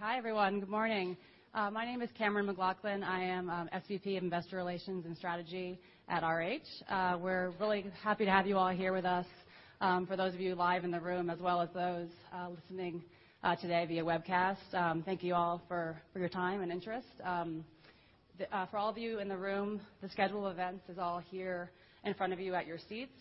Hi, everyone. Good morning. My name is Cammeron McLachlan. I am SVP of Investor Relations and Strategy at RH. We're really happy to have you all here with us, for those of you live in the room, as well as those listening today via webcast. Thank you all for your time and interest. For all of you in the room, the schedule of events is all here in front of you at your seats.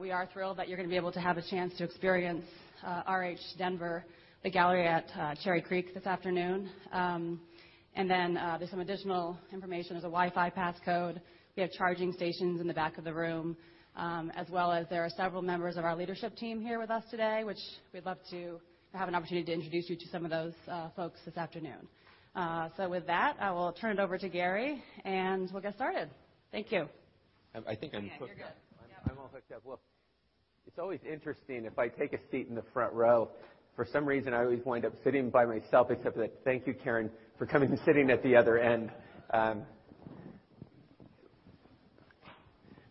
We are thrilled that you're going to be able to have a chance to experience RH Denver, the gallery at Cherry Creek, this afternoon. There's some additional information. There's a Wi-Fi passcode. We have charging stations in the back of the room. As well as there are several members of our leadership team here with us today, which we'd love to have an opportunity to introduce you to some of those folks this afternoon. I will turn it over to Gary, and we'll get started. Thank you. I think I'm hooked up. Yeah, you're good. Yeah. I'm all hooked up. It's always interesting if I take a seat in the front row. For some reason, I always wind up sitting by myself except that, thank you, Karen, for coming and sitting at the other end.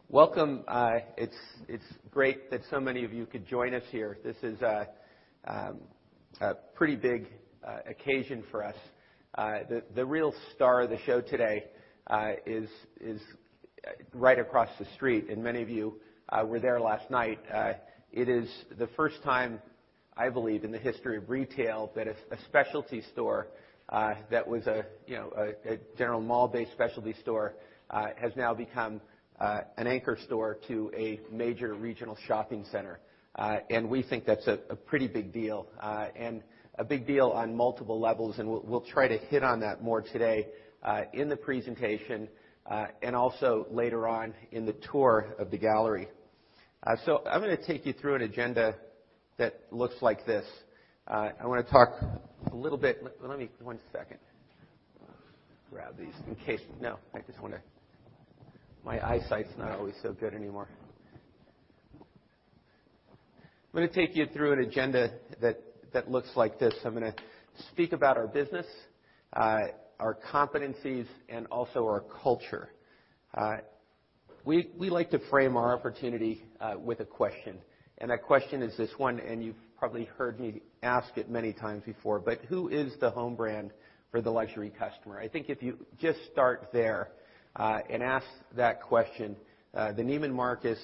Welcome. It's great that so many of you could join us here. This is a pretty big occasion for us. The real star of the show today is right across the street, and many of you were there last night. It is the first time, I believe, in the history of retail, that a specialty store that was a general mall-based specialty store has now become an anchor store to a major regional shopping center. We think that's a pretty big deal, a big deal on multiple levels, we'll try to hit on that more today in the presentation, also later on in the tour of the gallery. I'm going to take you through an agenda that looks like this. I want to talk just a little bit. Let me. One second. Grab these in case. No, I just want to. My eyesight's not always so good anymore. I'm going to take you through an agenda that looks like this. I'm going to speak about our business, our competencies, also our culture. We like to frame our opportunity with a question, that question is this one, you've probably heard me ask it many times before, who is the home brand for the luxury customer? I think if you just start there, ask that question, the Neiman Marcus,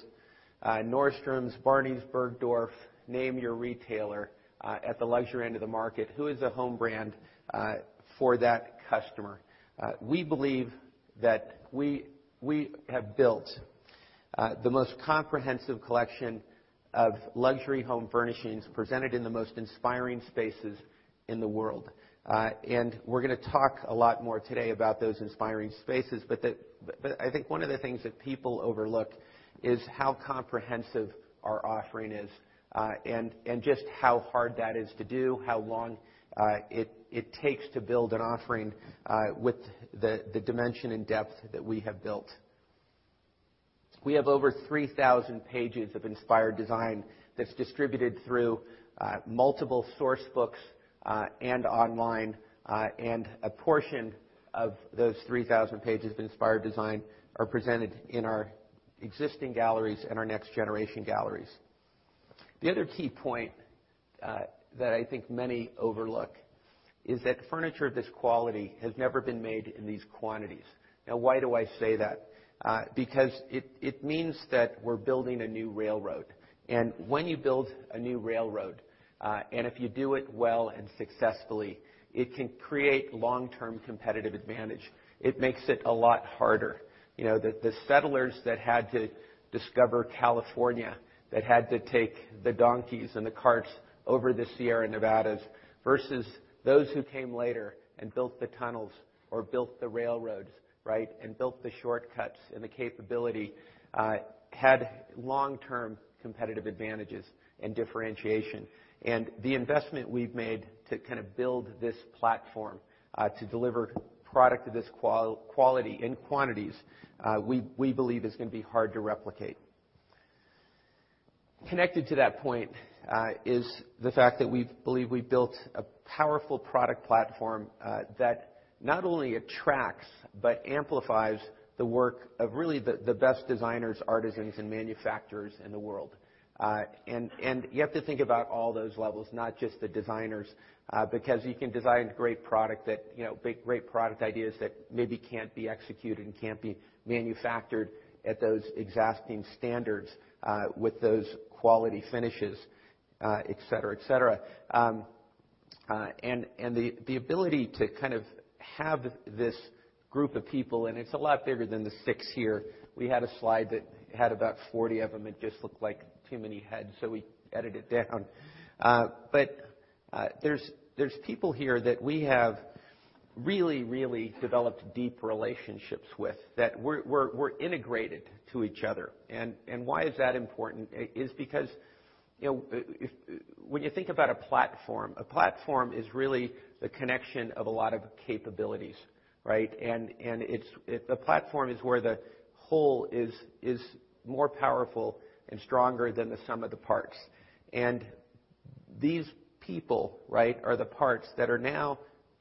Nordstrom, Barneys, Bergdorf, name your retailer at the luxury end of the market. Who is a home brand for that customer? We believe that we have built the most comprehensive collection of luxury home furnishings presented in the most inspiring spaces in the world. We're going to talk a lot more today about those inspiring spaces. I think one of the things that people overlook is how comprehensive our offering is, just how hard that is to do, how long it takes to build an offering with the dimension and depth that we have built. We have over 3,000 pages of inspired design that's distributed through multiple source books and online. A portion of those 3,000 pages of inspired design are presented in our existing galleries and our next-generation galleries. The other key point that I think many overlook is that furniture of this quality has never been made in these quantities. Now, why do I say that? Because it means that we're building a new railroad, when you build a new railroad, if you do it well and successfully, it can create long-term competitive advantage. It makes it a lot harder. The settlers that had to discover California, that had to take the donkeys the carts over the Sierra Nevadas versus those who came later built the tunnels built the railroads, right, built the shortcuts the capability, had long-term competitive advantages differentiation. The investment we've made to kind of build this platform to deliver product of this quality in quantities, we believe is going to be hard to replicate. Connected to that point is the fact that we believe we've built a powerful product platform that not only attracts but amplifies the work of really, really the best designers, artisans, and manufacturers in the world. You have to think about all those levels, not just the designers, because you can design great product ideas that maybe can't be executed and can't be manufactured at those exacting standards with those quality finishes, et cetera. The ability to kind of have this group of people, and it's a lot bigger than the six here. We had a slide that had about 40 of them. It just looked like too many heads, so we edited down. There's people here that we have really, really developed deep relationships with, that we're integrated to each other. Why is that important? Is because when you think about a platform, a platform is really the connection of a lot of capabilities, right? The platform is where the whole is more powerful and stronger than the sum of the parts. These people, right, are the parts that are now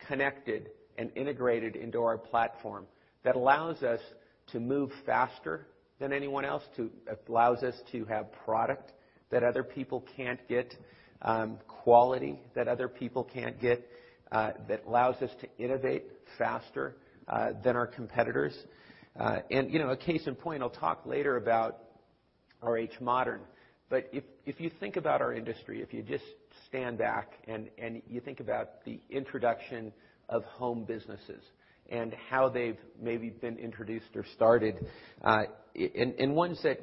Connected and integrated into our platform that allows us to move faster than anyone else, allows us to have product that other people can't get, quality that other people can't get, that allows us to innovate faster than our competitors. A case in point, I'll talk later about RH Modern. If you think about our industry, if you just stand back and you think about the introduction of home businesses and how they've maybe been introduced or started. Ones that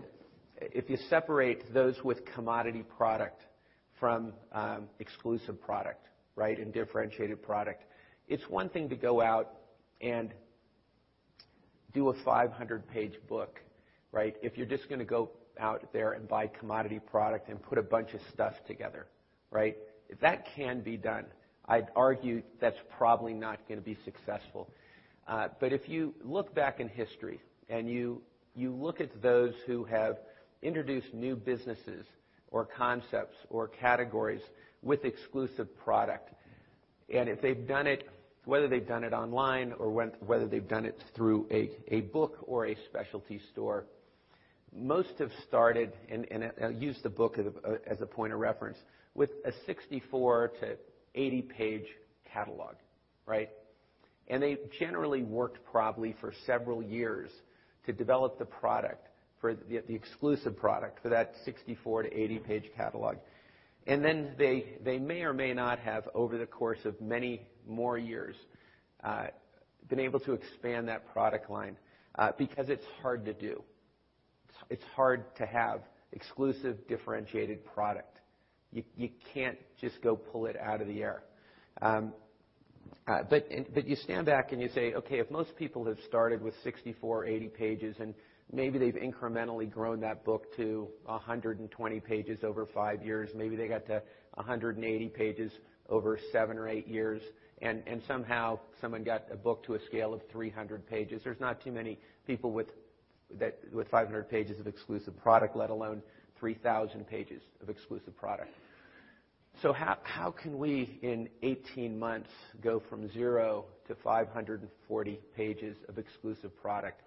if you separate those with commodity product from exclusive product and differentiated product, it's one thing to go out and do a 500-page book. If you're just going to go out there and buy commodity product and put a bunch of stuff together. That can be done. I'd argue that's probably not going to be successful. If you look back in history, and you look at those who have introduced new businesses or concepts or categories with exclusive product, and whether they've done it online or whether they've done it through a book or a specialty store, most have started, and I'll use the book as a point of reference, with a 64 to 80-page catalog. They generally worked probably for several years to develop the exclusive product for that 64 to 80-page catalog. Then they may or may not have, over the course of many more years, been able to expand that product line because it's hard to do. It's hard to have exclusive, differentiated product. You can't just go pull it out of the air. You stand back and you say, okay, if most people have started with 64, 80 pages, and maybe they've incrementally grown that book to 120 pages over five years, maybe they got to 180 pages over seven or eight years, and somehow someone got a book to a scale of 300 pages, there's not too many people with 500 pages of exclusive product, let alone 3,000 pages of exclusive product. How can we, in 18 months, go from zero to 540 pages of exclusive product?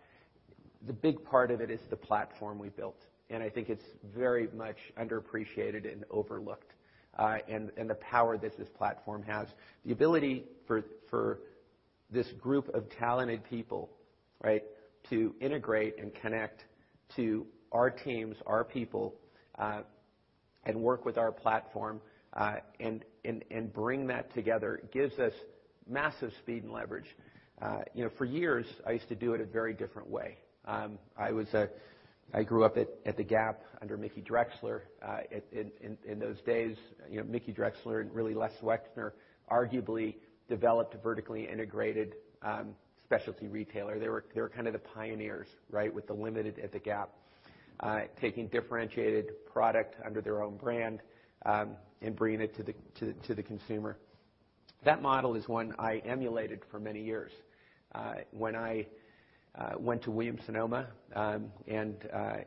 The big part of it is the platform we built, and I think it's very much underappreciated and overlooked and the power that this platform has. The ability for this group of talented people to integrate and connect to our teams, our people, and work with our platform, and bring that together gives us massive speed and leverage. For years, I used to do it a very different way. I grew up at The Gap under Mickey Drexler. In those days, Mickey Drexler and really Les Wexner arguably developed a vertically integrated specialty retailer. They were kind of the pioneers with The Limited at The Gap, taking differentiated product under their own brand, and bringing it to the consumer. That model is one I emulated for many years. When I went to Williams-Sonoma, and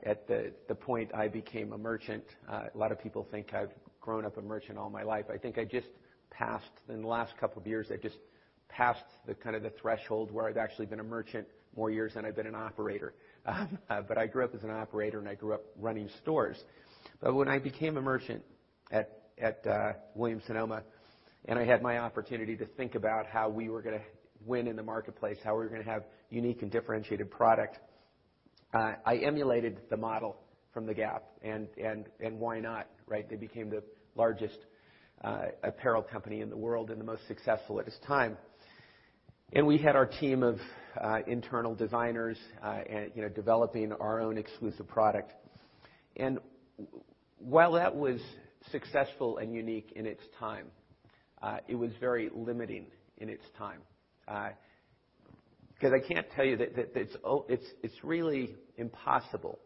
at the point I became a merchant. A lot of people think I've grown up a merchant all my life. I think in the last couple of years, I've just passed the kind of the threshold where I've actually been a merchant more years than I've been an operator. I grew up as an operator, and I grew up running stores. When I became a merchant at Williams-Sonoma, and I had my opportunity to think about how we were going to win in the marketplace, how we were going to have unique and differentiated product, I emulated the model from The Gap. Why not? They became the largest apparel company in the world and the most successful at its time. We had our team of internal designers developing our own exclusive product. While that was successful and unique in its time, it was very limiting in its time. I can't tell you that it's really impossible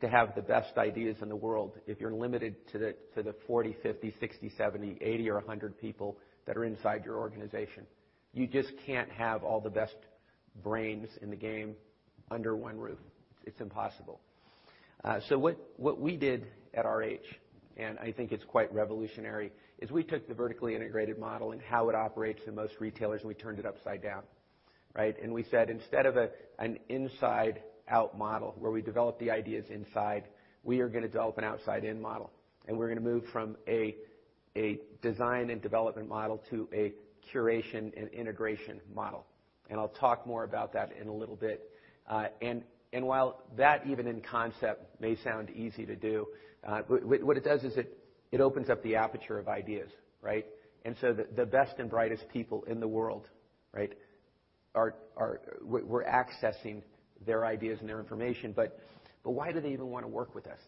to have the best ideas in the world if you're limited to the 40, 50, 60, 70, 80, or 100 people that are inside your organization. You just can't have all the best brains in the game under one roof. It's impossible. What we did at RH, and I think it's quite revolutionary, is we took the vertically integrated model and how it operates in most retailers, and we turned it upside down. We said, instead of an inside-out model where we develop the ideas inside, we are going to develop an outside-in model, and we're going to move from a design and development model to a curation and integration model. I'll talk more about that in a little bit. While that even in concept may sound easy to do, what it does is it opens up the aperture of ideas. The best and brightest people in the world, we're accessing their ideas and their information. Why do they even want to work with us?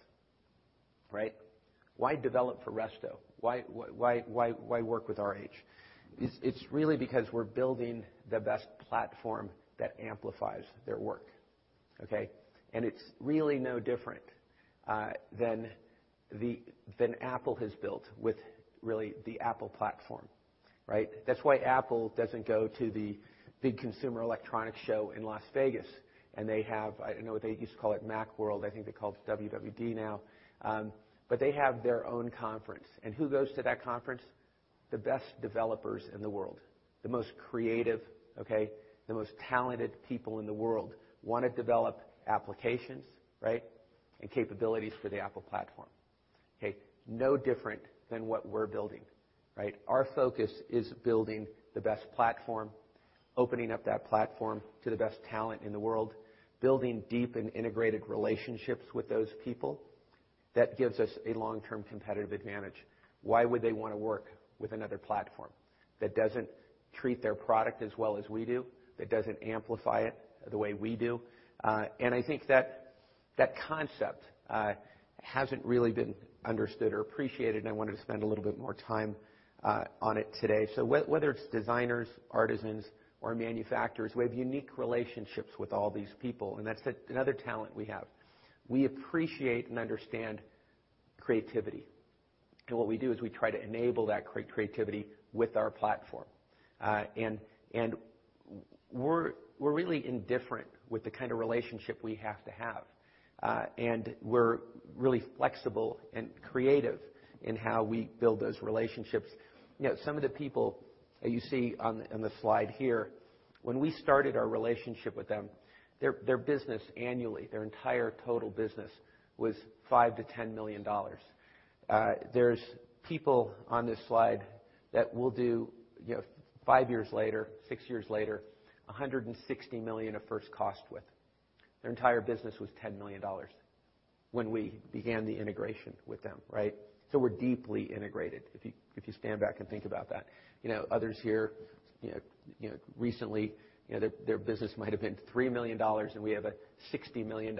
Why develop for Resto? Why work with RH? It's really because we're building the best platform that amplifies their work. Okay? It's really no different than Apple has built with really the Apple platform. That's why Apple doesn't go to the big Consumer Electronics Show in Las Vegas, and they have, I don't know what they used to call it, Macworld, I think they call it WWD now. They have their own conference. Who goes to that conference? The best developers in the world, the most creative, okay, the most talented people in the world want to develop applications, right, and capabilities for the Apple platform. Okay? No different than what we're building. Right? Our focus is building the best platform, opening up that platform to the best talent in the world, building deep and integrated relationships with those people. That gives us a long-term competitive advantage. Why would they want to work with another platform that doesn't treat their product as well as we do, that doesn't amplify it the way we do? I think that concept hasn't really been understood or appreciated, and I wanted to spend a little bit more time on it today. Whether it's designers, artisans, or manufacturers, we have unique relationships with all these people, and that's another talent we have. We appreciate and understand creativity. What we do is we try to enable that creativity with our platform. We're really indifferent with the kind of relationship we have to have. We're really flexible and creative in how we build those relationships. Some of the people you see on the slide here, when we started our relationship with them, their business annually, their entire total business was $5 million-$10 million. There's people on this slide that will do, five years later, six years later, $160 million of first cost with. Their entire business was $10 million when we began the integration with them, right? We're deeply integrated if you stand back and think about that. Others here, recently, their business might have been $3 million, and we have a $60 million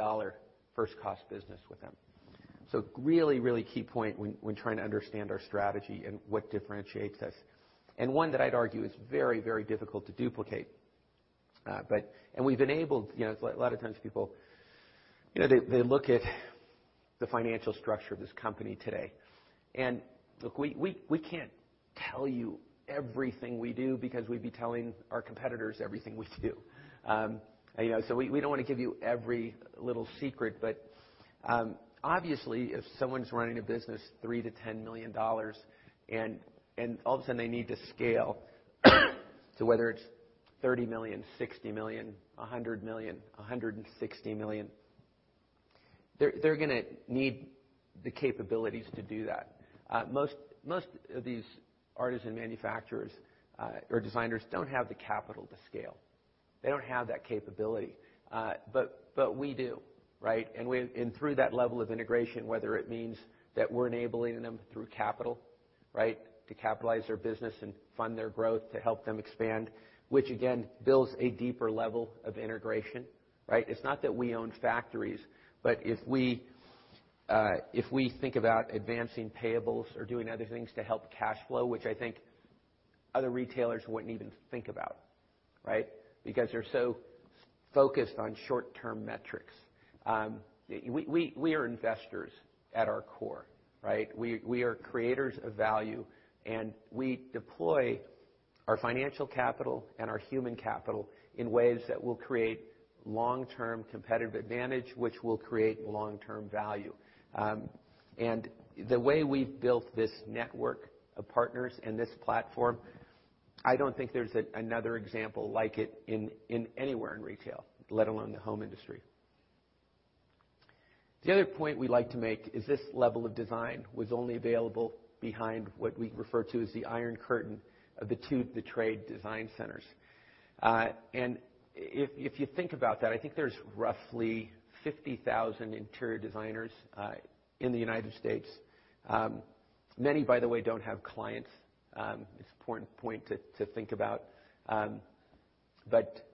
first cost business with them. Really, really key point when trying to understand our strategy and what differentiates us. One that I'd argue is very, very difficult to duplicate. We've enabled. A lot of times people, they look at the financial structure of this company today, and look, we can't tell you everything we do because we'd be telling our competitors everything we do. We don't want to give you every little secret. Obviously, if someone's running a business $3 million-$10 million, and all of a sudden they need to scale to whether it's $30 million, $60 million, $100 million, $160 million, they're going to need the capabilities to do that. Most of these artisan manufacturers, or designers, don't have the capital to scale. They don't have that capability. We do, right? Through that level of integration, whether it means that we're enabling them through capital, right, to capitalize their business and fund their growth to help them expand, which again, builds a deeper level of integration, right? It's not that we own factories, but if we think about advancing payables or doing other things to help cash flow, which I think other retailers wouldn't even think about, right, because they're so focused on short-term metrics. We are investors at our core, right? We are creators of value. We deploy our financial capital and our human capital in ways that will create long-term competitive advantage, which will create long-term value. The way we've built this network of partners and this platform, I don't think there's another example like it anywhere in retail, let alone the home industry. The other point we like to make is this level of design was only available behind what we refer to as the Iron Curtain of the trade design centers. If you think about that, I think there's roughly 50,000 interior designers in the U.S. Many, by the way, don't have clients. It's an important point to think about. But,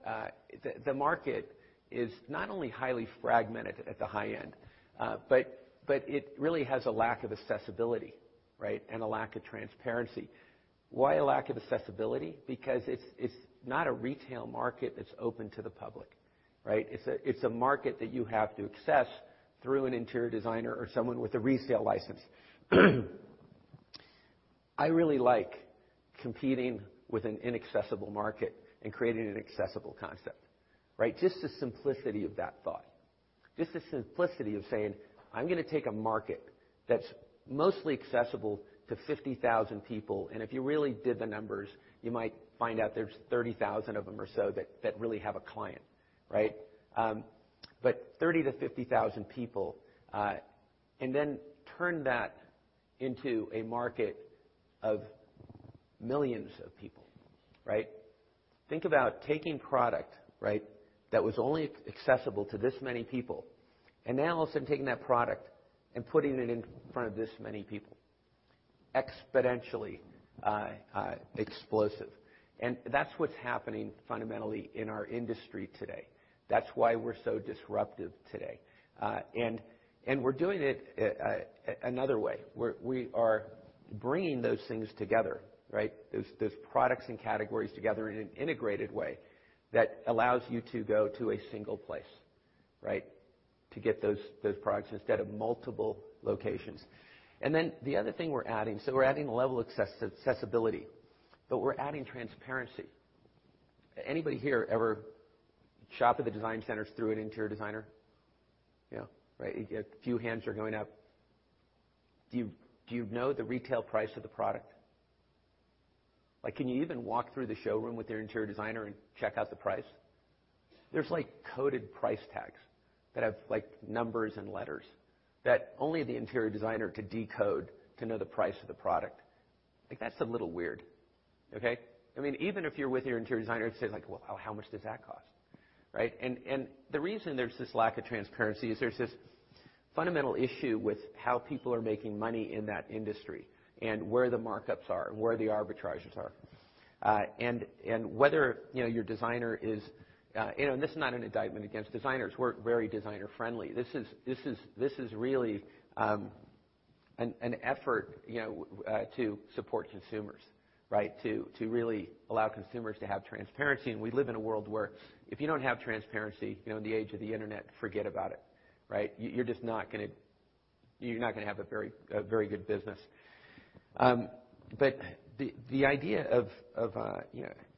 the market is not only highly fragmented at the high end, but it really has a lack of accessibility, right, and a lack of transparency. Why a lack of accessibility? Because it's not a retail market that's open to the public, right? It's a market that you have to access through an interior designer or someone with a resale license. I really like competing with an inaccessible market and creating an accessible concept, right? Just the simplicity of that thought. Just the simplicity of saying, "I'm going to take a market that's mostly accessible to 50,000 people," and if you really did the numbers, you might find out there's 30,000 of them or so that really have a client, right? But 30 to 50,000 people, and then turn that into a market of millions of people, right? Think about taking product, right, that was only accessible to this many people, and now all of a sudden taking that product and putting it in front of this many people. Exponentially explosive. That's what's happening fundamentally in our industry today. That's why we're so disruptive today. We are doing it another way. We are bringing those things together, right? Those products and categories together in an integrated way that allows you to go to a single place, right, to get those products instead of multiple locations. The other thing we're adding, so we're adding a level of accessibility, but we're adding transparency. Anybody here ever shop at the design centers through an interior designer? Yeah. Right. A few hands are going up. Do you know the retail price of the product? Can you even walk through the showroom with your interior designer and check out the price? There's coded price tags that have numbers and letters that only the interior designer could decode to know the price of the product. That's a little weird. Okay? Even if you're with your interior designer, it's say, like, "Well, how much does that cost?" Right? The reason there's this lack of transparency is there's this fundamental issue with how people are making money in that industry, and where the markups are, and where the arbitragers are. Whether your designer is, this is not an indictment against designers. We're very designer friendly. This is really an effort to support consumers, right? To really allow consumers to have transparency. We live in a world where if you don't have transparency, in the age of the internet, forget about it. Right? You're not going to have a very good business. The idea of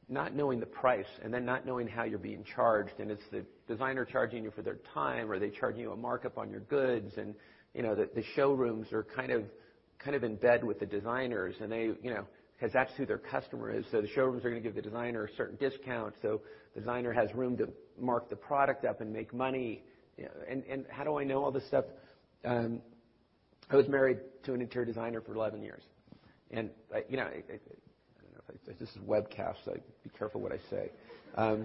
not knowing the price, not knowing how you're being charged, is the designer charging you for their time or are they charging you a markup on your goods? The showrooms are kind of in bed with the designers because that's who their customer is. The showrooms are going to give the designer a certain discount, so designer has room to mark the product up and make money. How do I know all this stuff? I was married to an interior designer for 11 years. I don't know if this is webcast, so be careful what I say. I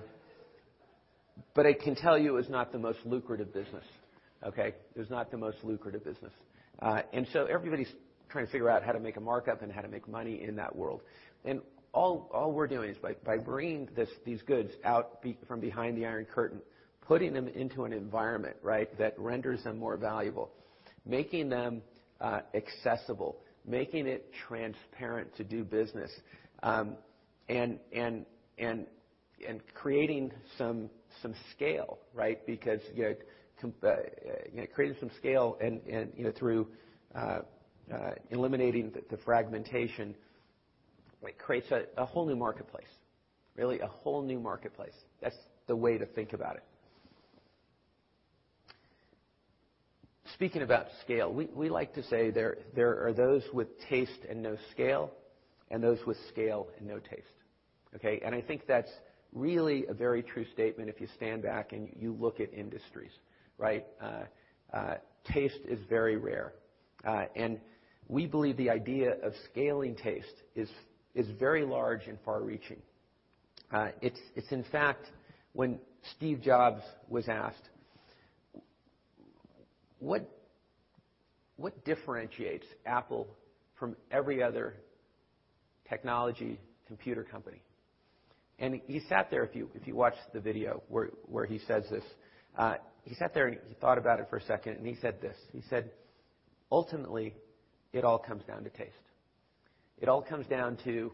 can tell you it's not the most lucrative business. Okay. It's not the most lucrative business. Everybody's trying to figure out how to make a markup and how to make money in that world. All we're doing is by bringing these goods out from behind the Iron Curtain, putting them into an environment that renders them more valuable, making them accessible, making it transparent to do business, and creating some scale. Creating some scale through eliminating the fragmentation creates a whole new marketplace. Really, a whole new marketplace. That's the way to think about it. Speaking about scale, we like to say there are those with taste and no scale, and those with scale and no taste. Okay. I think that's really a very true statement if you stand back and you look at industries, right. Taste is very rare. We believe the idea of scaling taste is very large and far-reaching. It's in fact, when Steve Jobs was asked, "What differentiates Apple from every other technology computer company?" If you watch the video where he says this, he sat there, he thought about it for a second, he said this, he said, "Ultimately, it all comes down to taste." It all comes down to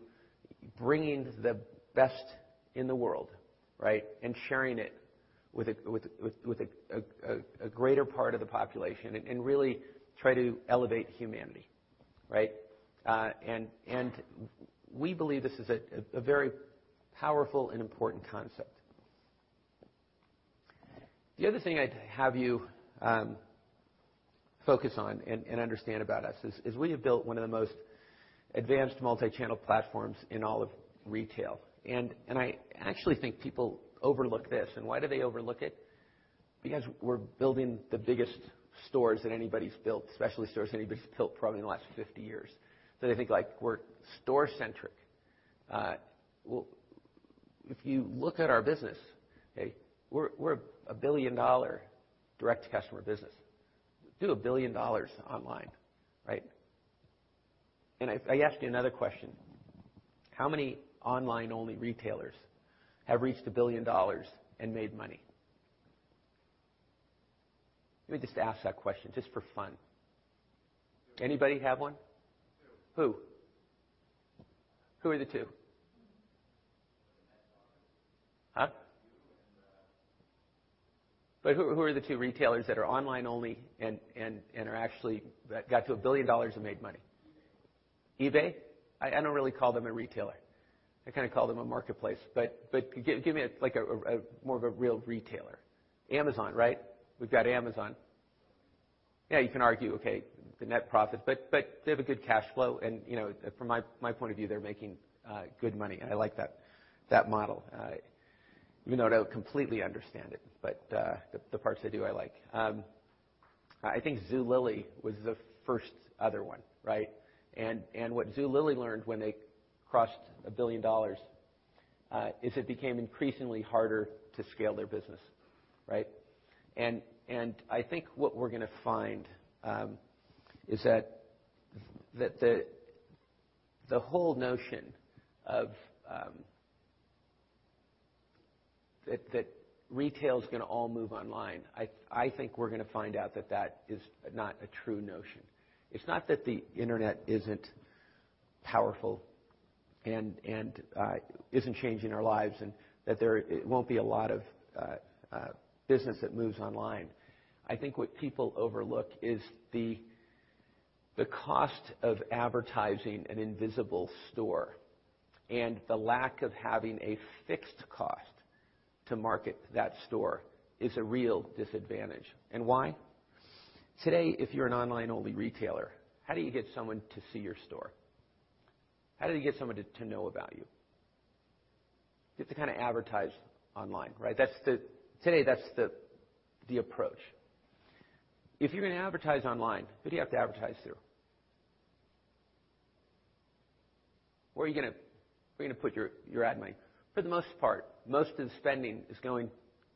bringing the best in the world and sharing it with a greater part of the population, really try to elevate humanity. Right. We believe this is a very powerful and important concept. The other thing I'd have you focus on and understand about us is we have built one of the most advanced multi-channel platforms in all of retail. I actually think people overlook this. Why do they overlook it? Because we're building the biggest stores that anybody's built, specialty stores anybody's built probably in the last 50 years. They think we're store-centric. Well, if you look at our business, we're a $1 billion direct-to-customer business. We do $1 billion online, right. If I ask you another question. How many online-only retailers have reached $1 billion and made money? Let me just ask that question just for fun. Anybody have one. Two. Who? Who are the two? The next one is you and Who are the two retailers that are online only and actually got to $1 billion and made money? eBay. eBay? I don't really call them a retailer. I kind of call them a marketplace, give me more of a real retailer. Amazon, right. We've got Amazon. Yeah, you can argue, okay, the net profit. They have a good cash flow, from my point of view, they're making good money, I like that model, even though I don't completely understand it. The parts I do, I like. I think Zulily was the first other one, right. What Zulily learned when they crossed $1 billion is it became increasingly harder to scale their business. Right. I think what we're going to find is that the whole notion that retail's going to all move online, I think we're going to find out that that is not a true notion. It's not that the internet isn't powerful and isn't changing our lives, and that there won't be a lot of business that moves online. I think what people overlook is The cost of advertising an invisible store and the lack of having a fixed cost to market that store is a real disadvantage. Why? Today, if you're an online-only retailer, how do you get someone to see your store? How do you get someone to know about you? You have to kind of advertise online, right? Today, that's the approach. If you're going to advertise online, who do you have to advertise through? Where are you going to put your ad money? For the most part, most of the spending is going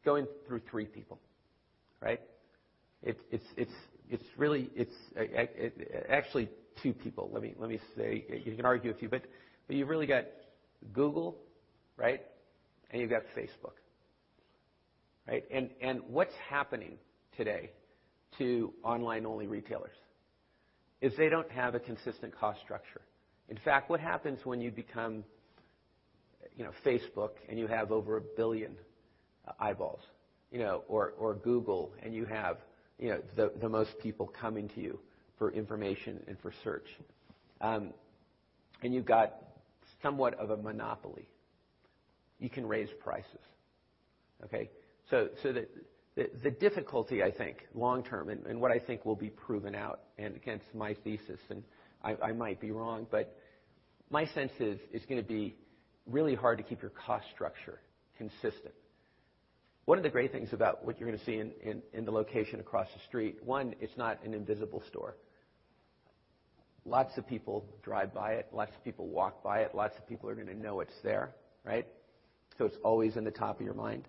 through three people. Right? It's actually two people. You can argue with me, but you've really got Google, right? You've got Facebook. Right? What's happening today to online-only retailers is they don't have a consistent cost structure. In fact, what happens when you become Facebook and you have over a billion eyeballs, or Google and you have the most people coming to you for information and for search, and you've got somewhat of a monopoly. You can raise prices. Okay? The difficulty, I think, long term, and what I think will be proven out and against my thesis, and I might be wrong, but my sense is it's going to be really hard to keep your cost structure consistent. One of the great things about what you're going to see in the location across the street, one, it's not an invisible store. Lots of people drive by it. Lots of people walk by it. Lots of people are going to know it's there, right? It's always in the top of your mind.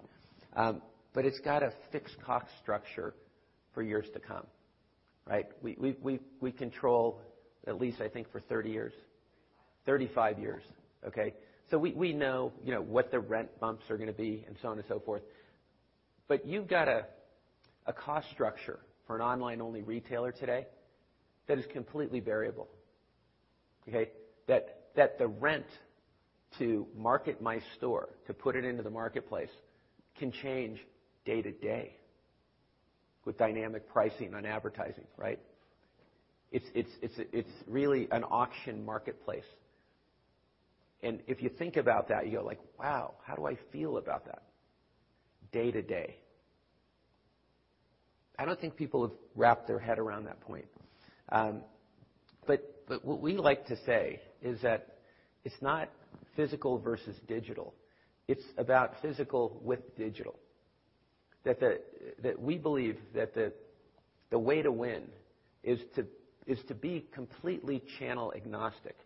It's got a fixed cost structure for years to come, right? We control at least I think for 30 years. 35 years. Okay. We know what the rent bumps are going to be and so on and so forth. You've got a cost structure for an online-only retailer today that is completely variable. Okay? That the rent to market my store, to put it into the marketplace, can change day to day with dynamic pricing on advertising. Right? It's really an auction marketplace. If you think about that, you go like, "Wow, how do I feel about that day to day?" I don't think people have wrapped their head around that point. What we like to say is that it's not physical versus digital. It's about physical with digital. That we believe that the way to win is to be completely channel agnostic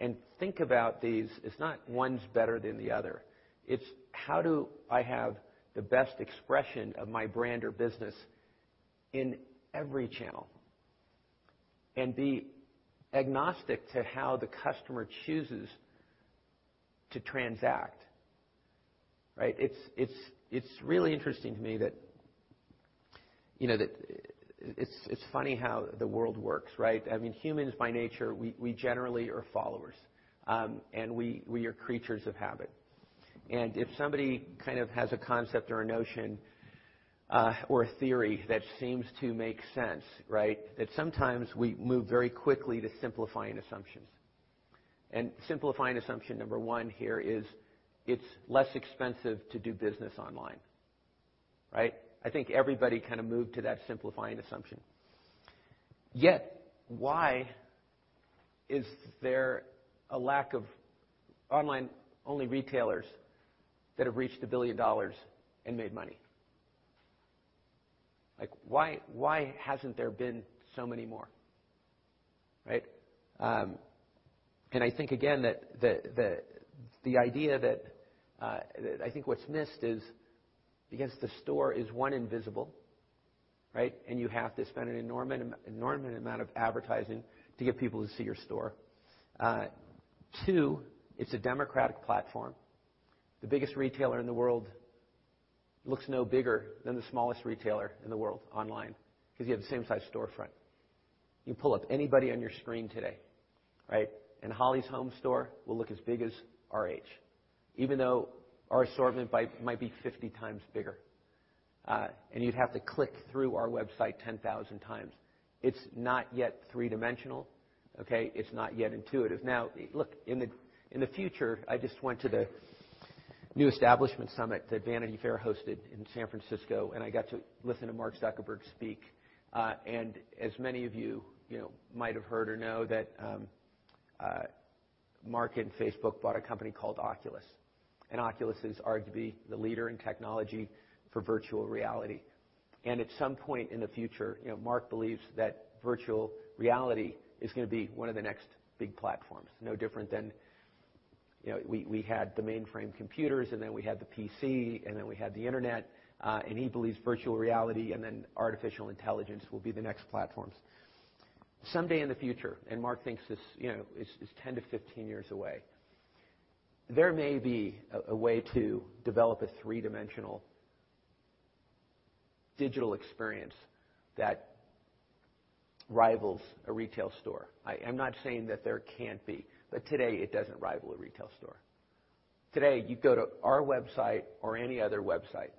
and think about these as not one's better than the other. It's how do I have the best expression of my brand or business in every channel and be agnostic to how the customer chooses to transact. Right? It's really interesting to me that it's funny how the world works, right? Humans by nature, we generally are followers. We are creatures of habit. If somebody kind of has a concept or a notion or a theory that seems to make sense, right? That sometimes we move very quickly to simplifying assumptions. Simplifying assumption number one here is it's less expensive to do business online. Right? I think everybody kind of moved to that simplifying assumption. Yet, why is there a lack of online-only retailers that have reached $1 billion and made money? Why hasn't there been so many more? Right? I think again the idea that I think what's missed is because the store is one, invisible, right? You have to spend an enormous amount of advertising to get people to see your store. Two, it's a democratic platform. The biggest retailer in the world looks no bigger than the smallest retailer in the world online because you have the same size storefront. You can pull up anybody on your screen today, right? Holly's home store will look as big as RH, even though our assortment might be 50 times bigger. You'd have to click through our website 10,000 times. It's not yet three-dimensional. Okay? It's not yet intuitive. Look, in the future, I just went to the New Establishment Summit that Vanity Fair hosted in San Francisco, and I got to listen to Mark Zuckerberg speak. As many of you might have heard or know that Mark and Facebook bought a company called Oculus. Oculus is arguably the leader in technology for virtual reality. At some point in the future, Mark believes that virtual reality is going to be one of the next big platforms. No different than we had the mainframe computers, and then we had the PC, and then we had the internet. He believes virtual reality and then artificial intelligence will be the next platforms. Someday in the future, and Mark thinks this is 10 to 15 years away, there may be a way to develop a three-dimensional digital experience that rivals a retail store. I'm not saying that there can't be, but today it doesn't rival a retail store. Today, you go to our website or any other website,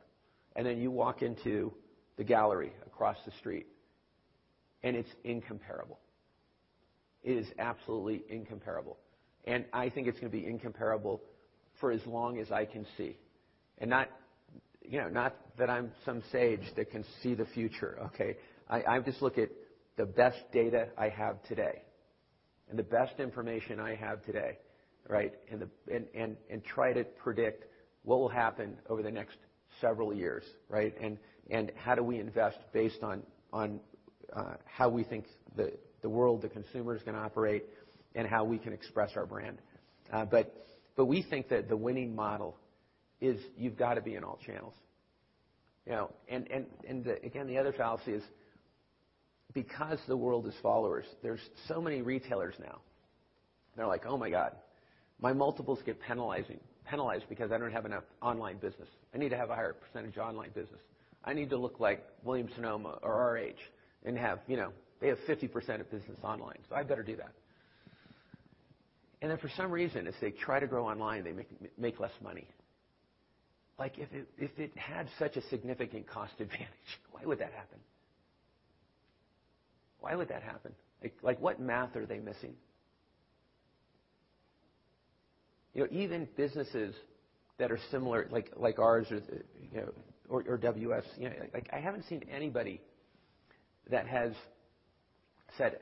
and then you walk into the gallery across the street, and it's incomparable. It is absolutely incomparable. I think it's going to be incomparable for as long as I can see. Not that I'm some sage that can see the future, okay? I just look at the best data I have today and the best information I have today, and try to predict what will happen over the next several years. How do we invest based on how we think the world, the consumer's going to operate and how we can express our brand. We think that the winning model is you've got to be in all channels. Again, the other fallacy is because the world is followers, there's so many retailers now. They're like, "Oh, my God, my multiples get penalized because I don't have enough online business. I need to have a higher percentage online business. I need to look like Williams-Sonoma or RH. They have 50% of business online, so I better do that." For some reason, as they try to grow online, they make less money. If it had such a significant cost advantage, why would that happen? Why would that happen? What math are they missing? Even businesses that are similar like ours or WS, I haven't seen anybody that has said,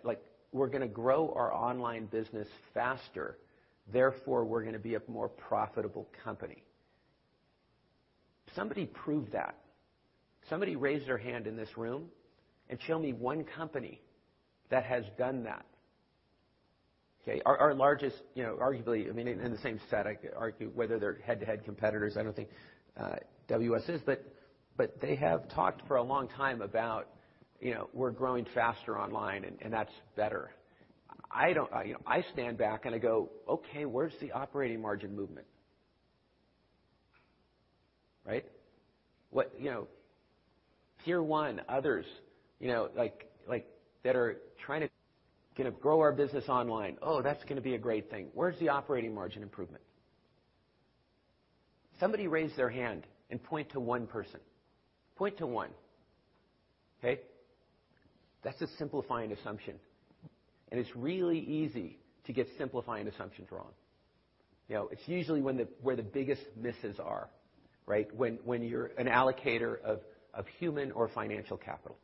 "We're going to grow our online business faster, therefore we're going to be a more profitable company." Somebody prove that. Somebody raise their hand in this room and show me one company that has done that. Our largest, arguably, in the same set, I could argue whether they're head-to-head competitors, I don't think WS is, but they have talked for a long time about we're growing faster online and that's better. I stand back and I go, "Okay, where's the operating margin movement?" Tier 1, others that are trying to grow our business online. Oh, that's going to be a great thing. Where's the operating margin improvement? Somebody raise their hand and point to one person. Point to one. That's a simplifying assumption. It's really easy to get simplifying assumptions wrong. It's usually where the biggest misses are. When you're an allocator of human or financial capital.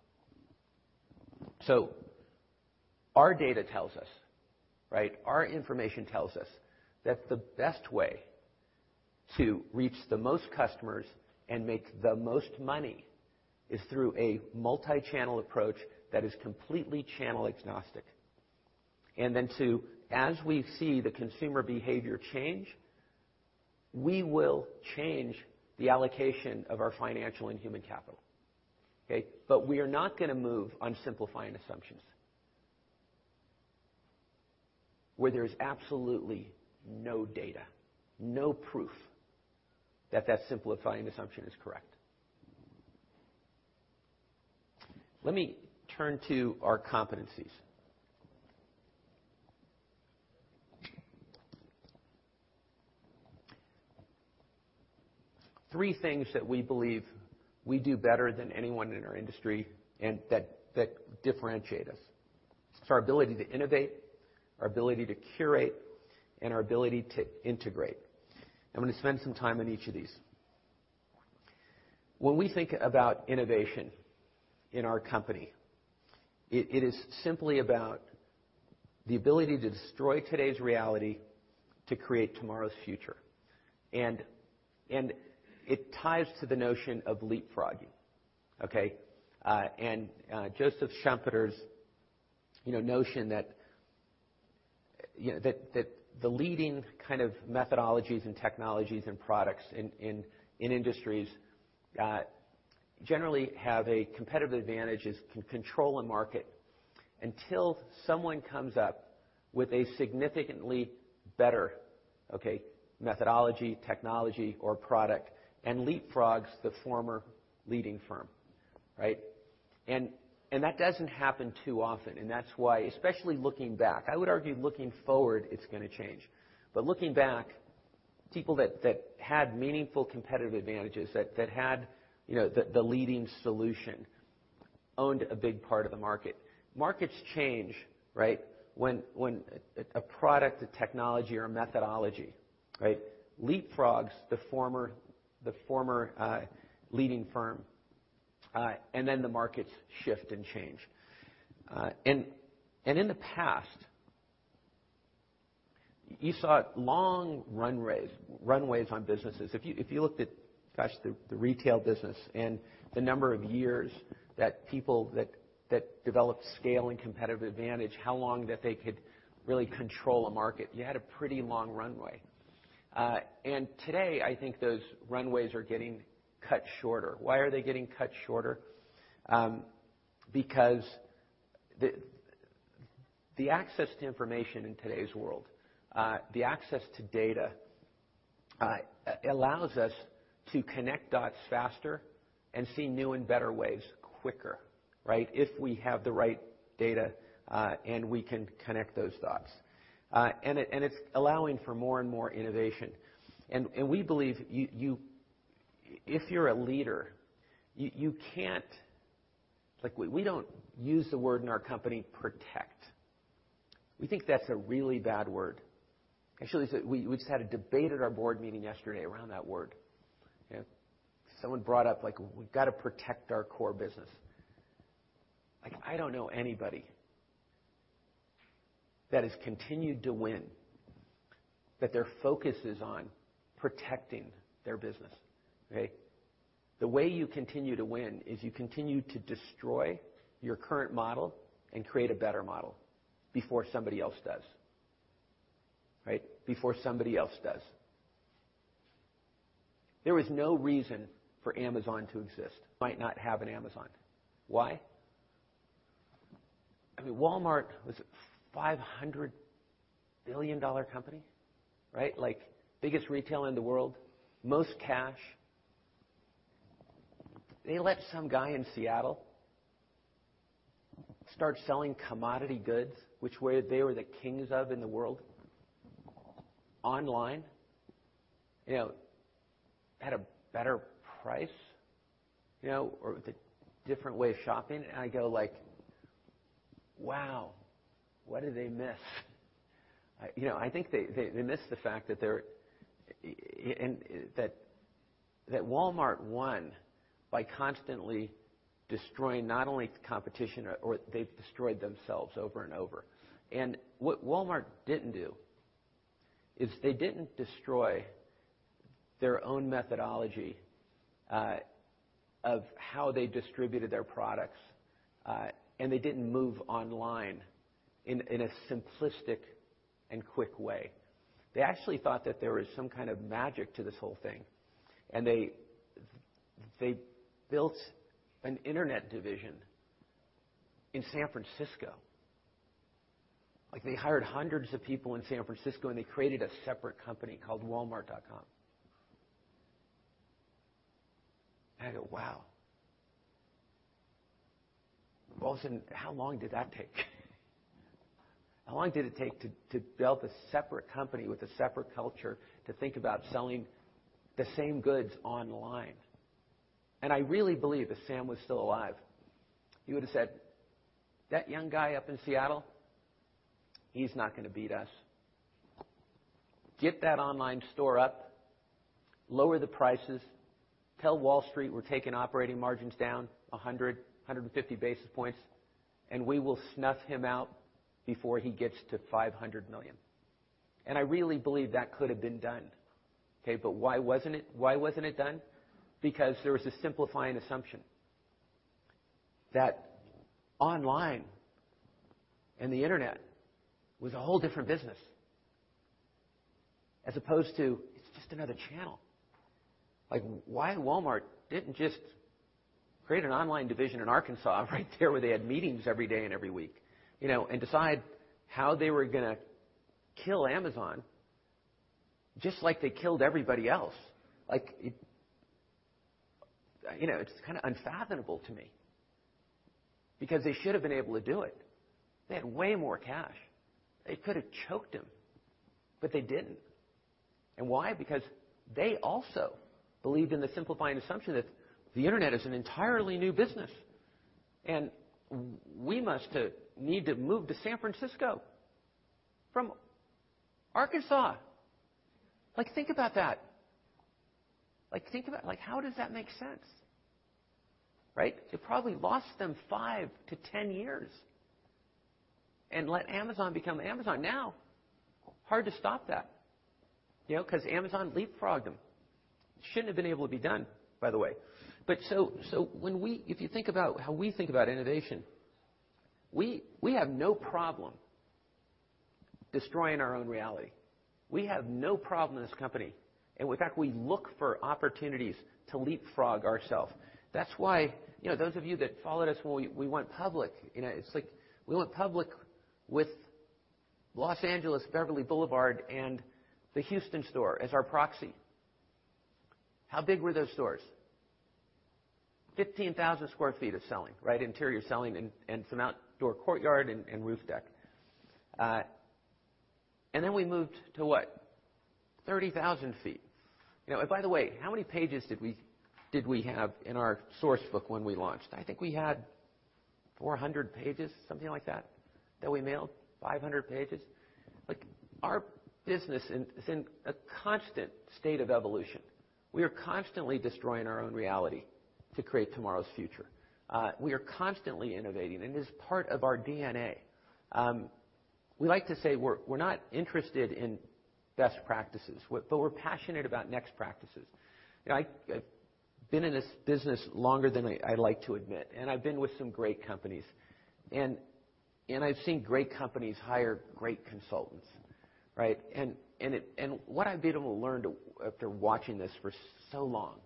Our data tells us, our information tells us that the best way to reach the most customers and make the most money is through a multi-channel approach that is completely channel-agnostic. 2, as we see the consumer behavior change, we will change the allocation of our financial and human capital. We are not going to move on simplifying assumptions where there's absolutely no data, no proof that that simplifying assumption is correct. Let me turn to our competencies. 3 things that we believe we do better than anyone in our industry and that differentiate us. It's our ability to innovate, our ability to curate, and our ability to integrate. I'm going to spend some time on each of these. When we think about innovation in our company, it is simply about the ability to destroy today's reality to create tomorrow's future. It ties to the notion of leapfrogging. Joseph Schumpeter's notion that the leading kind of methodologies and technologies and products in industries generally have a competitive advantage, is can control a market until someone comes up with a significantly better methodology, technology or product and leapfrogs the former leading firm. That doesn't happen too often. That's why, especially looking back, I would argue looking forward, it's going to change. Looking back, people that had meaningful competitive advantages, that had the leading solution, owned a big part of the market. Markets change when a product, a technology or a methodology leapfrogs the former leading firm, the markets shift and change. In the past, you saw long runways on businesses. If you looked at, gosh, the retail business and the number of years that people that developed scale and competitive advantage, how long that they could really control a market, you had a pretty long runway. Today, I think those runways are getting cut shorter. Why are they getting cut shorter? Because the access to information in today's world, the access to data allows us to connect dots faster and see new and better ways quicker, if we have the right data, we can connect those dots. It's allowing for more and more innovation. We believe if you're a leader, we don't use the word in our company, protect. We think that's a really bad word. Actually, we just had a debate at our board meeting yesterday around that word. Someone brought up, "We've got to protect our core business. I don't know anybody that has continued to win, that their focus is on protecting their business. The way you continue to win is you continue to destroy your current model and create a better model before somebody else does. There was no reason for Amazon to exist. Might not have an Amazon. Why? Walmart was a $500 billion company, right? Biggest retailer in the world. Most cash. They let some guy in Seattle start selling commodity goods, which they were the kings of in the world, online at a better price, or with a different way of shopping. I go, wow, what did they miss? I think they missed the fact that Walmart won by constantly destroying not only competition or they've destroyed themselves over and over. What Walmart didn't do is they didn't destroy their own methodology of how they distributed their products, and they didn't move online in a simplistic and quick way. They actually thought that there was some kind of magic to this whole thing, and they built an internet division in San Francisco. They hired hundreds of people in San Francisco, and they created a separate company called walmart.com. I go, wow. All of a sudden, how long did that take? How long did it take to build a separate company with a separate culture to think about selling the same goods online? I really believe if Sam was still alive, he would've said, "That young guy up in Seattle, he's not going to beat us. Get that online store up, lower the prices, tell Wall Street we're taking operating margins down 100, 150 basis points, and we will snuff him out before he gets to $500 million." I really believe that could have been done. Why wasn't it done? Because there was a simplifying assumption that online and the internet was a whole different business as opposed to it's just another channel. Why Walmart didn't just create an online division in Arkansas right there where they had meetings every day and every week and decide how they were going to kill Amazon, just like they killed everybody else. It's kind of unfathomable to me because they should have been able to do it. They had way more cash. They could have choked him, but they didn't. Why? Because they also believed in the simplifying assumption that the internet is an entirely new business, and we need to move to San Francisco from Arkansas. Think about that. How does that make sense, right? It probably lost them 5-10 years and let Amazon become Amazon. Hard to stop that because Amazon leapfrogged them. Shouldn't have been able to be done, by the way. If you think about how we think about innovation, we have no problem destroying our own reality. We have no problem in this company. In fact, we look for opportunities to leapfrog ourself. That's why those of you that followed us when we went public, it's like we went public with Los Angeles, Beverly Boulevard, and the Houston store as our proxy. How big were those stores? 15,000 sq ft of selling. Interior selling and some outdoor courtyard and roof deck. Then we moved to what? 30,000 feet. By the way, how many pages did we have in our source book when we launched? I think we had 400 pages, something like that we mailed 500 pages. Our business is in a constant state of evolution. We are constantly destroying our own reality to create tomorrow's future. We are constantly innovating, and it is part of our DNA. We like to say we're not interested in best practices, but we're passionate about next practices. I've been in this business longer than I like to admit, and I've been with some great companies. I've seen great companies hire great consultants. What I've been able to learn after watching this for so long.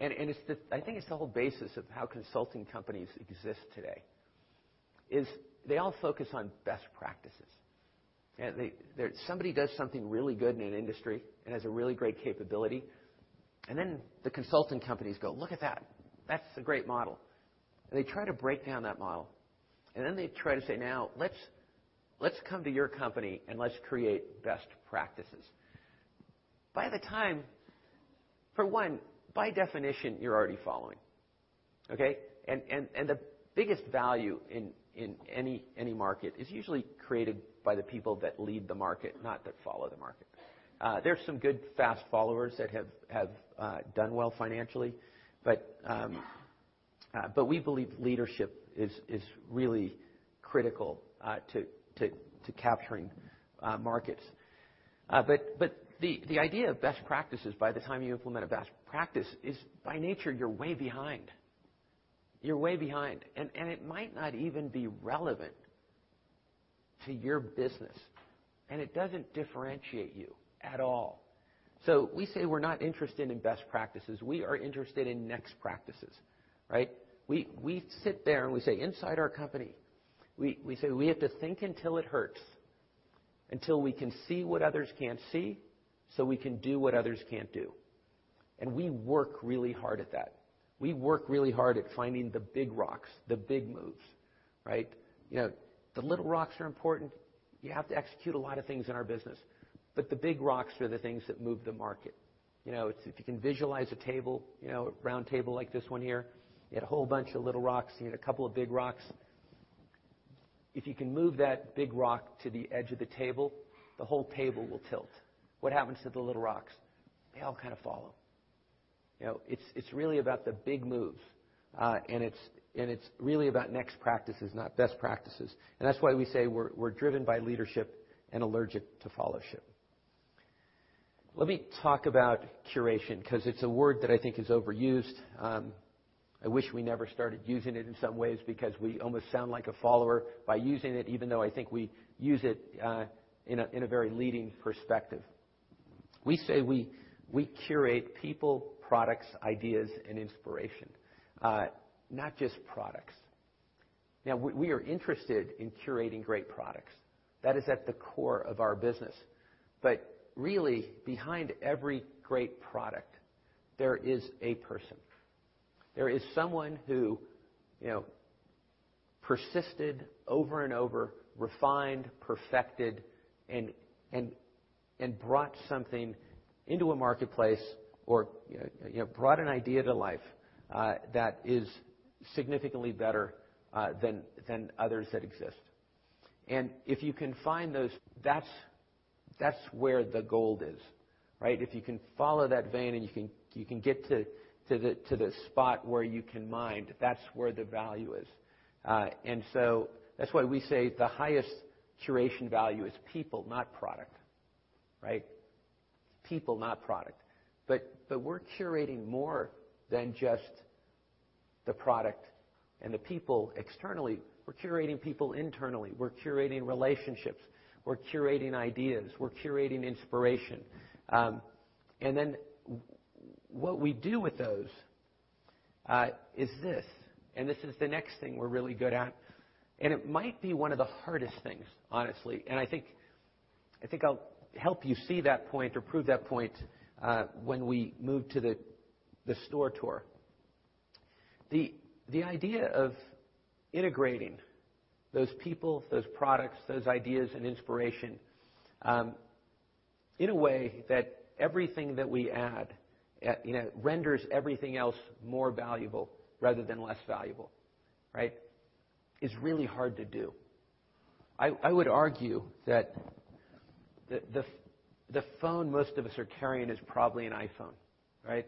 I think it's the whole basis of how consulting companies exist today, is they all focus on best practices. Somebody does something really good in an industry and has a really great capability, then the consulting companies go, "Look at that. That's a great model." They try to break down that model, then they try to say, "Now, let's come to your company, and let's create best practices." For one, by definition, you're already following. Okay. The biggest value in any market is usually created by the people that lead the market, not that follow the market. There's some good fast followers that have done well financially, but we believe leadership is really critical to capturing markets. The idea of best practices, by the time you implement a best practice is by nature, you're way behind. You're way behind, and it might not even be relevant to your business, and it doesn't differentiate you at all. We say we're not interested in best practices. We are interested in next practices, right. We sit there and we say inside our company, we say we have to think until it hurts, until we can see what others can't see so we can do what others can't do. We work really hard at that. We work really hard at finding the big rocks, the big moves, right. The little rocks are important. You have to execute a lot of things in our business, but the big rocks are the things that move the market. If you can visualize a table, a round table like this one here, you had a whole bunch of little rocks, you had a couple of big rocks. If you can move that big rock to the edge of the table, the whole table will tilt. What happens to the little rocks? They all kind of follow. It's really about the big moves, and it's really about next practices, not best practices. That's why we say we're driven by leadership and allergic to followership. Let me talk about curation because it's a word that I think is overused. I wish we never started using it in some ways because we almost sound like a follower by using it, even though I think we use it in a very leading perspective. We say we curate people, products, ideas, and inspiration, not just products. Now, we are interested in curating great products. That is at the core of our business. Really, behind every great product, there is a person. There is someone who persisted over and over, refined, perfected, and brought something into a marketplace or brought an idea to life, that is significantly better than others that exist. If you can find those, that's where the gold is, right? If you can follow that vein and you can get to the spot where you can mine, that's where the value is. That's why we say the highest curation value is people, not product. Right? People not product. We're curating more than just the product and the people externally. We're curating people internally. We're curating relationships. We're curating ideas. We're curating inspiration. What we do with those is this, and this is the next thing we're really good at. It might be one of the hardest things, honestly. I think I'll help you see that point or prove that point when we move to the store tour. The idea of integrating those people, those products, those ideas and inspiration, in a way that everything that we add renders everything else more valuable rather than less valuable is really hard to do. I would argue that the phone most of us are carrying is probably an iPhone. Right?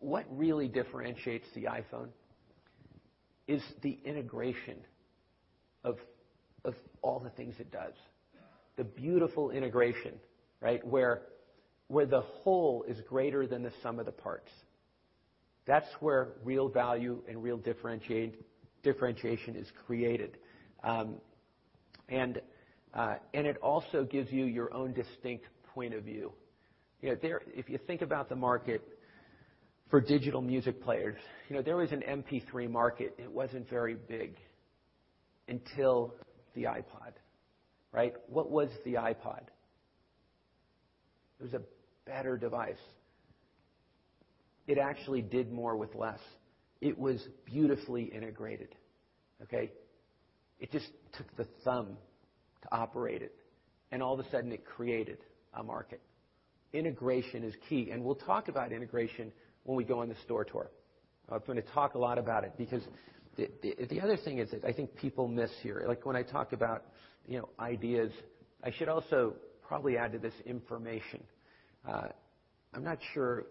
What really differentiates the iPhone is the integration of all the things it does. The beautiful integration where the whole is greater than the sum of the parts. That's where real value and real differentiation is created. It also gives you your own distinct point of view. If you think about the market for digital music players, there was an MP3 market. It wasn't very big until the iPod. Right? What was the iPod? It was a better device. It actually did more with less. It was beautifully integrated. Okay? It just took the thumb to operate it, all of a sudden it created a market. Integration is key, we'll talk about integration when we go on the store tour. I'm going to talk a lot about it because the other thing is that I think people miss here, like when I talk about ideas, I should also probably add to this information. I'm not sure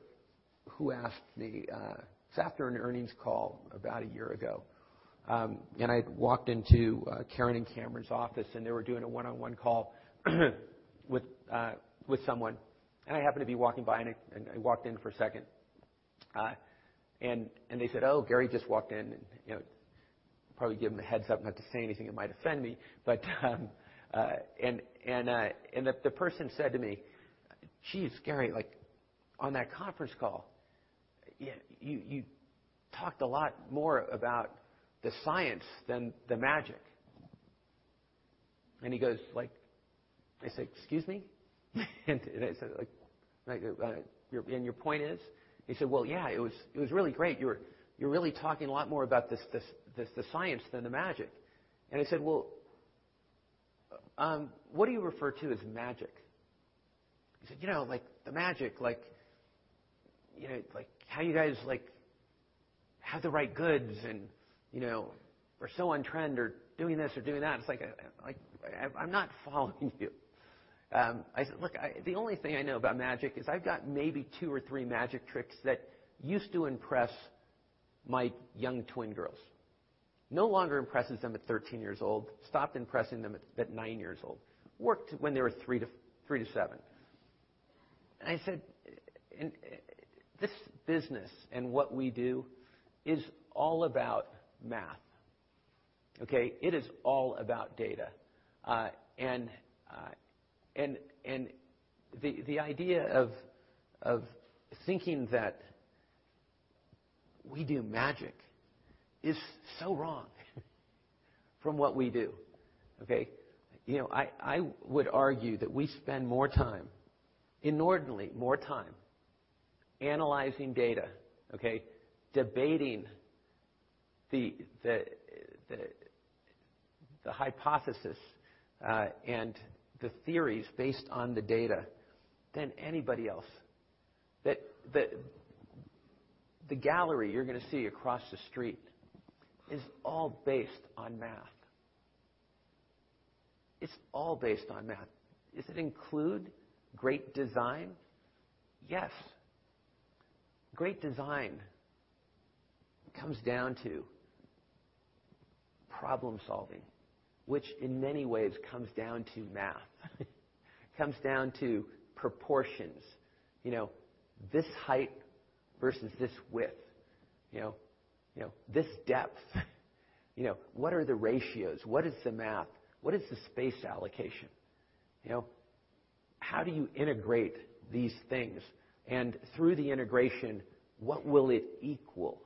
who asked me, it's after an earnings call about a year ago, I had walked into Karen and Cammeron's office, and they were doing a one-on-one call with someone. I happened to be walking by, I walked in for a second. They said, "Oh, Gary just walked in." Probably give him the heads up not to say anything that might offend me. The person said to me, "Geez, Gary, on that conference call, you talked a lot more about the science than the magic." He goes like I said, "Excuse me?" I said, "Your point is?" He said, "Well, yeah, it was really great. You're really talking a lot more about the science than the magic." I said, "Well, what do you refer to as magic?" He said, "The magic, like how you guys have the right goods, and we're so on trend, or doing this or doing that." It's like, I'm not following you. I said, "Look, the only thing I know about magic is I've got maybe two or three magic tricks that used to impress my young twin girls. No longer impresses them at 13 years old. Stopped impressing them at nine years old. Worked when they were three to seven." I said, "This business and what we do is all about math." Okay? It is all about data. The idea of thinking that we do magic is so wrong from what we do. Okay? I would argue that we spend more time, inordinately more time analyzing data, okay, debating the hypothesis, and the theories based on the data than anybody else. The gallery you're going to see across the street is all based on math. It's all based on math. Does it include great design? Yes. Great design comes down to problem-solving, which in many ways comes down to math, comes down to proportions. This height versus this width. This depth. What are the ratios? What is the math? What is the space allocation? How do you integrate these things? Through the integration, what will it equal?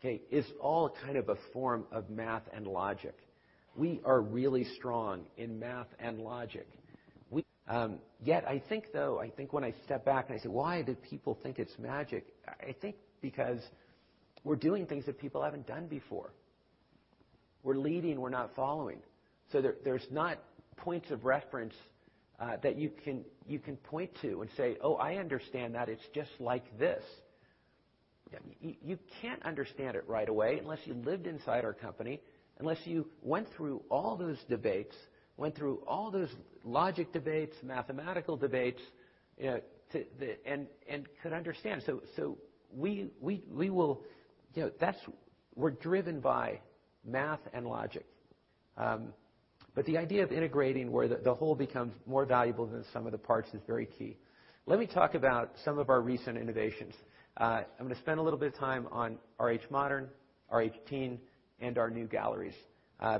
Okay? It's all kind of a form of math and logic. We are really strong in math and logic. I think though, I think when I step back and I say, "Why do people think it's magic?" I think because we're doing things that people haven't done before. We're leading. We're not following. There's not points of reference that you can point to and say, "Oh, I understand that. It's just like this." You can't understand it right away, unless you lived inside our company, unless you went through all those debates, went through all those logic debates, mathematical debates, and could understand. We're driven by math and logic. The idea of integrating, where the whole becomes more valuable than the sum of the parts, is very key. Let me talk about some of our recent innovations. I'm going to spend a little bit of time on RH Modern, RH Teen, and our new galleries,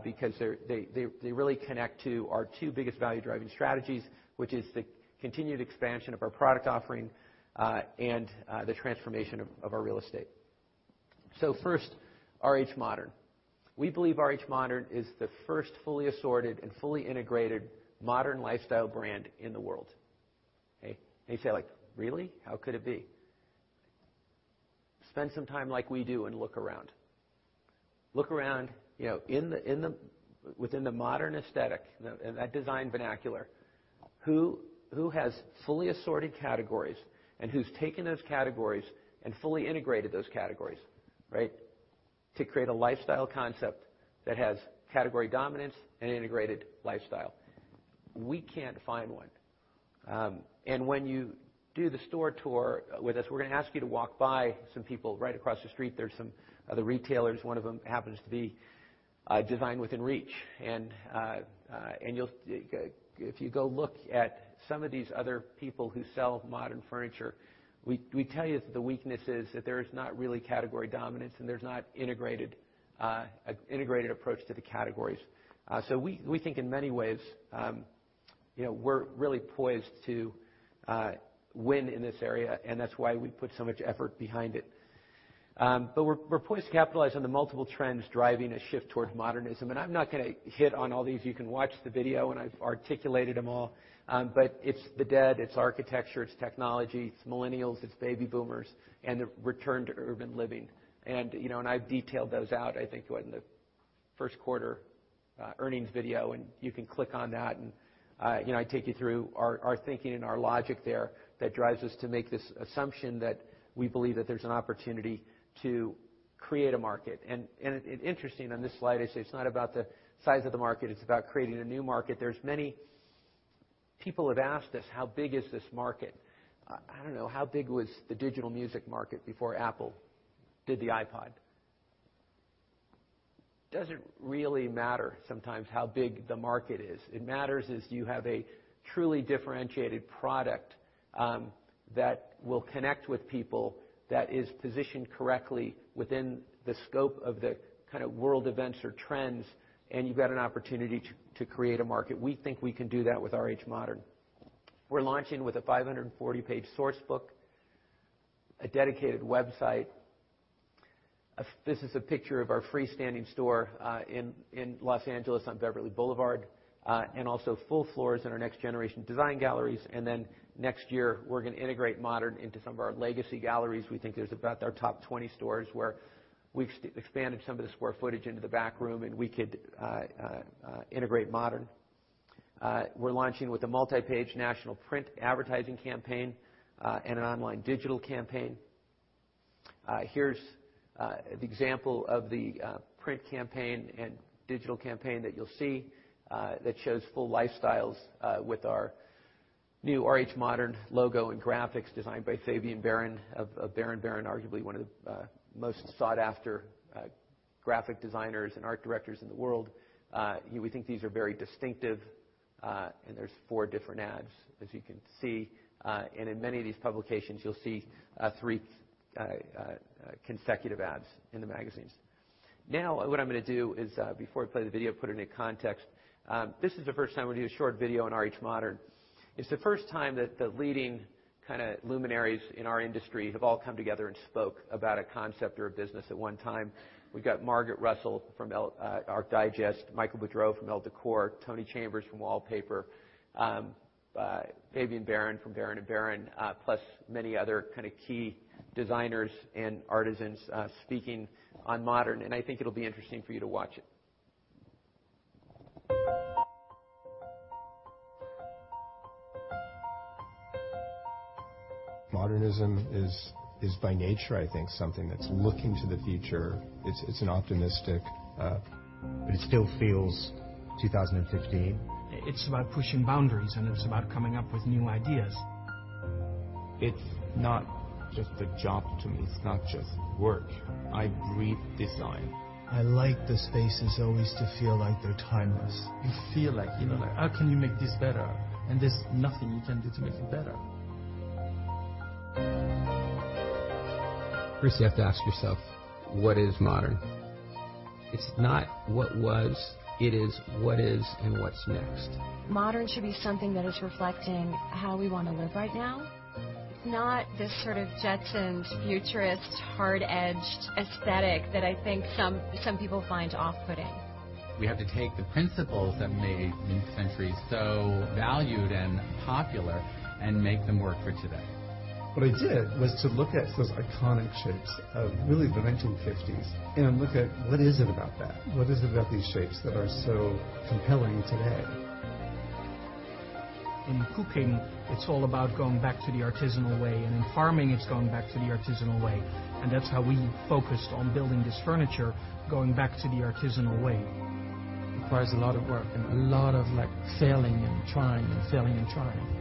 because they really connect to our two biggest value-driving strategies, which is the continued expansion of our product offering, and the transformation of our real estate. First, RH Modern. We believe RH Modern is the first fully assorted and fully integrated modern lifestyle brand in the world. Okay? You say, "Really? How could it be?" Spend some time like we do and look around. Look around within the modern aesthetic, that design vernacular. Who has fully assorted categories, and who's taken those categories and fully integrated those categories, right, to create a lifestyle concept that has category dominance and integrated lifestyle? We can't find one. When you do the store tour with us, we're going to ask you to walk by some people right across the street. There's some other retailers. One of them happens to be Design Within Reach. If you go look at some of these other people who sell modern furniture, we tell you that the weakness is that there is not really category dominance, and there's not integrated approach to the categories. We think in many ways, we're really poised to win in this area, and that's why we put so much effort behind it. We're poised to capitalize on the multiple trends driving a shift towards modernism. I'm not going to hit on all these. You can watch the video, and I've articulated them all. It's the dead, it's architecture, it's technology, it's millennials, it's baby boomers, and the return to urban living. I've detailed those out, I think it was in the first quarter earnings video. You can click on that and I take you through our thinking and our logic there that drives us to make this assumption that we believe that there's an opportunity to create a market. Interesting on this slide, it's not about the size of the market, it's about creating a new market. There's many people who have asked us, how big is this market? I don't know. How big was the digital music market before Apple did the iPod? Doesn't really matter sometimes how big the market is. It matters is you have a truly differentiated product that will connect with people, that is positioned correctly within the scope of the world events or trends, and you've got an opportunity to create a market. We think we can do that with RH Modern. We're launching with a 540-page source book, a dedicated website. This is a picture of our freestanding store in Los Angeles on Beverly Boulevard, also full floors in our next generation design galleries. Then next year, we're going to integrate Modern into some of our legacy galleries. We think there's about our top 20 stores where we've expanded some of the square footage into the back room, and we could integrate Modern. We're launching with a multi-page national print advertising campaign, and an online digital campaign. Here's the example of the print campaign and digital campaign that you'll see, that shows full lifestyles with our new RH Modern logo and graphics designed by Fabien Baron of Baron & Baron, arguably one of the most sought-after graphic designers and art directors in the world. We think these are very distinctive, and there's four different ads, as you can see. In many of these publications, you'll see three consecutive ads in the magazines. Now, what I'm going to do is, before I play the video, put it into context. This is the first time we'll do a short video on RH Modern. It's the first time that the leading luminaries in our industry have all come together and spoke about a concept or a business at one time. We've got Margaret Russell from Arch Digest, Michael Boodro from Elle Decor, Tony Chambers from Wallpaper, Fabien Baron from Baron & Baron, plus many other key designers and artisans speaking on Modern. I think it'll be interesting for you to watch it. Modernism is by nature, I think, something that's looking to the future. It's an optimistic It still feels 2015. It's about pushing boundaries, and it's about coming up with new ideas. It's not just a job to me. It's not just work. I breathe design. I like the spaces always to feel like they're timeless. You feel like, how can you make this better? There's nothing you can do to make it better. First, you have to ask yourself: What is modern? It's not what was, it is what is and what's next. Modern should be something that is reflecting how we want to live right now. It's not this sort of Jetsons, futurist, hard-edged aesthetic that I think some people find off-putting. We have to take the principles that made mid-century so valued and popular, and make them work for today. What I did was to look at those iconic shapes of really the 1950s and look at what is it about that. What is it about these shapes that are so compelling today? In cooking, it's all about going back to the artisanal way, and in farming, it's going back to the artisanal way. That's how we focused on building this furniture, going back to the artisanal way. It requires a lot of work and a lot of failing and trying, and failing and trying.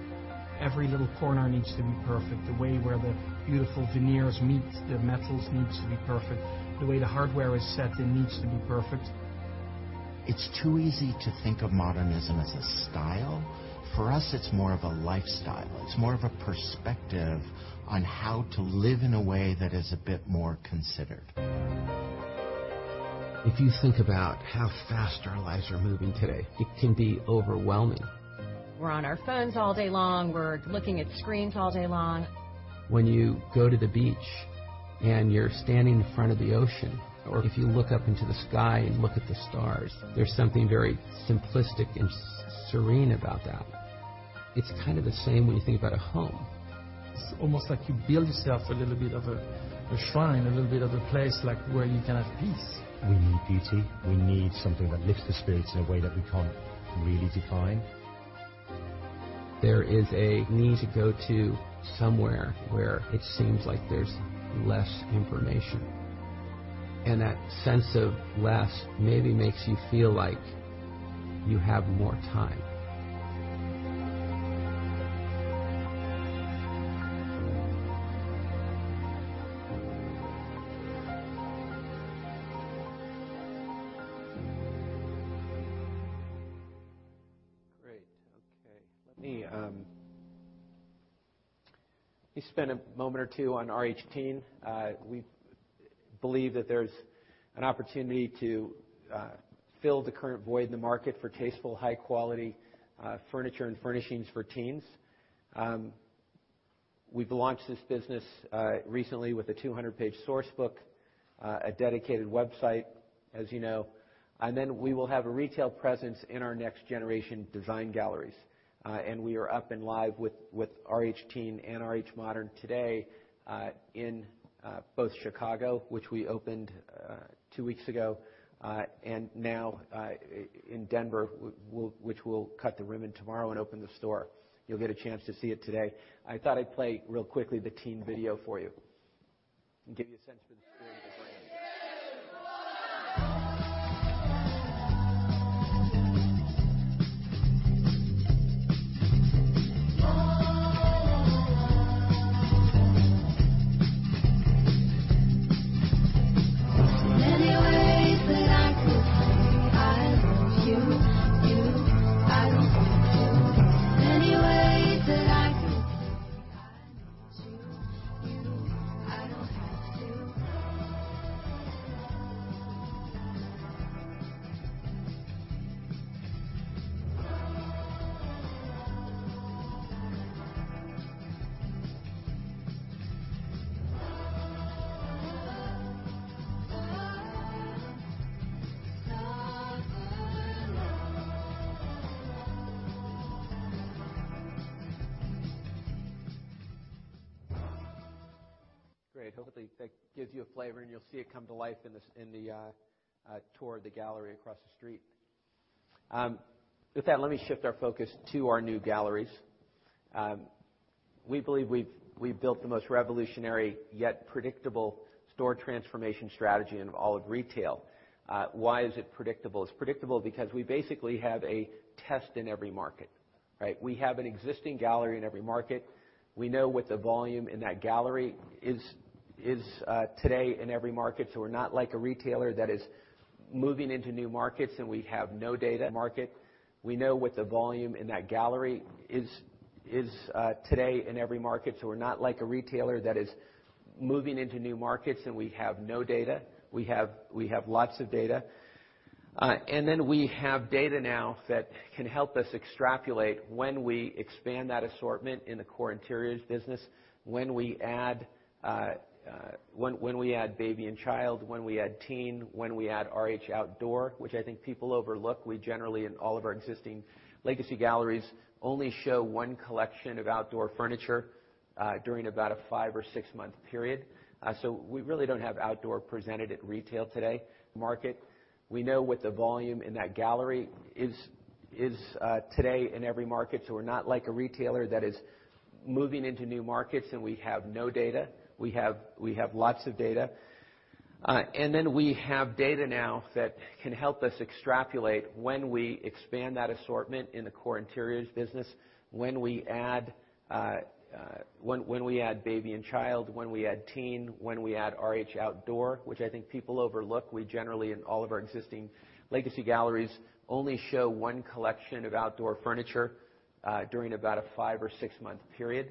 Every little corner needs to be perfect. The way where the beautiful veneers meet the metals needs to be perfect. The way the hardware is set in needs to be perfect. It's too easy to think of modernism as a style. For us, it's more of a lifestyle. It's more of a perspective on how to live in a way that is a bit more considered. If you think about how fast our lives are moving today, it can be overwhelming. We're on our phones all day long. We're looking at screens all day long. When you go to the beach and you're standing in front of the ocean, or if you look up into the sky and look at the stars, there's something very simplistic and serene about that. It's kind of the same when you think about a home. It's almost like you build yourself a little bit of a shrine, a little bit of a place where you can have peace. We need beauty. We need something that lifts the spirits in a way that we can't really define. There is a need to go to somewhere where it seems like there's less information. That sense of less maybe makes you feel like you have more time. Great. Okay. Let me spend a moment or two on RH Teen. We believe that there's an opportunity to fill the current void in the market for tasteful, high-quality furniture and furnishings for teens. We've launched this business recently with a 200-page source book, a dedicated website, as you know, then we will have a retail presence in our next generation design galleries. We are up and live with RH Teen and RH Modern today in both Chicago, which we opened two weeks ago, and now in Denver, which we'll cut the ribbon tomorrow and open the store. You'll get a chance to see it today. I thought I'd play real quickly the Teen video for you and give you a sense for the spirit of the brand. I don't have to. Many ways that I could say I need you. I don't have to. Oh, oh. Oh, oh. Oh, oh. Oh, oh. Not alone. Oh, oh. Great. Hopefully, that gives you a flavor, and you'll see it come to life in the tour of the gallery across the street. With that, let me shift our focus to our new galleries. We believe we've built the most revolutionary yet predictable store transformation strategy in all of retail. Why is it predictable? It's predictable because we basically have a test in every market, right? We have an existing gallery in every market. We know what the volume in that gallery is today in every market. We're not like a retailer that is moving into new markets, and we have no data. We have lots of data. We have data now that can help us extrapolate when we expand that assortment in the core interiors business, when we add Baby and Child, when we add Teen, when we add RH Outdoor, which I think people overlook. We generally, in all of our existing legacy galleries, only show one collection of outdoor furniture, during about a five or six-month period.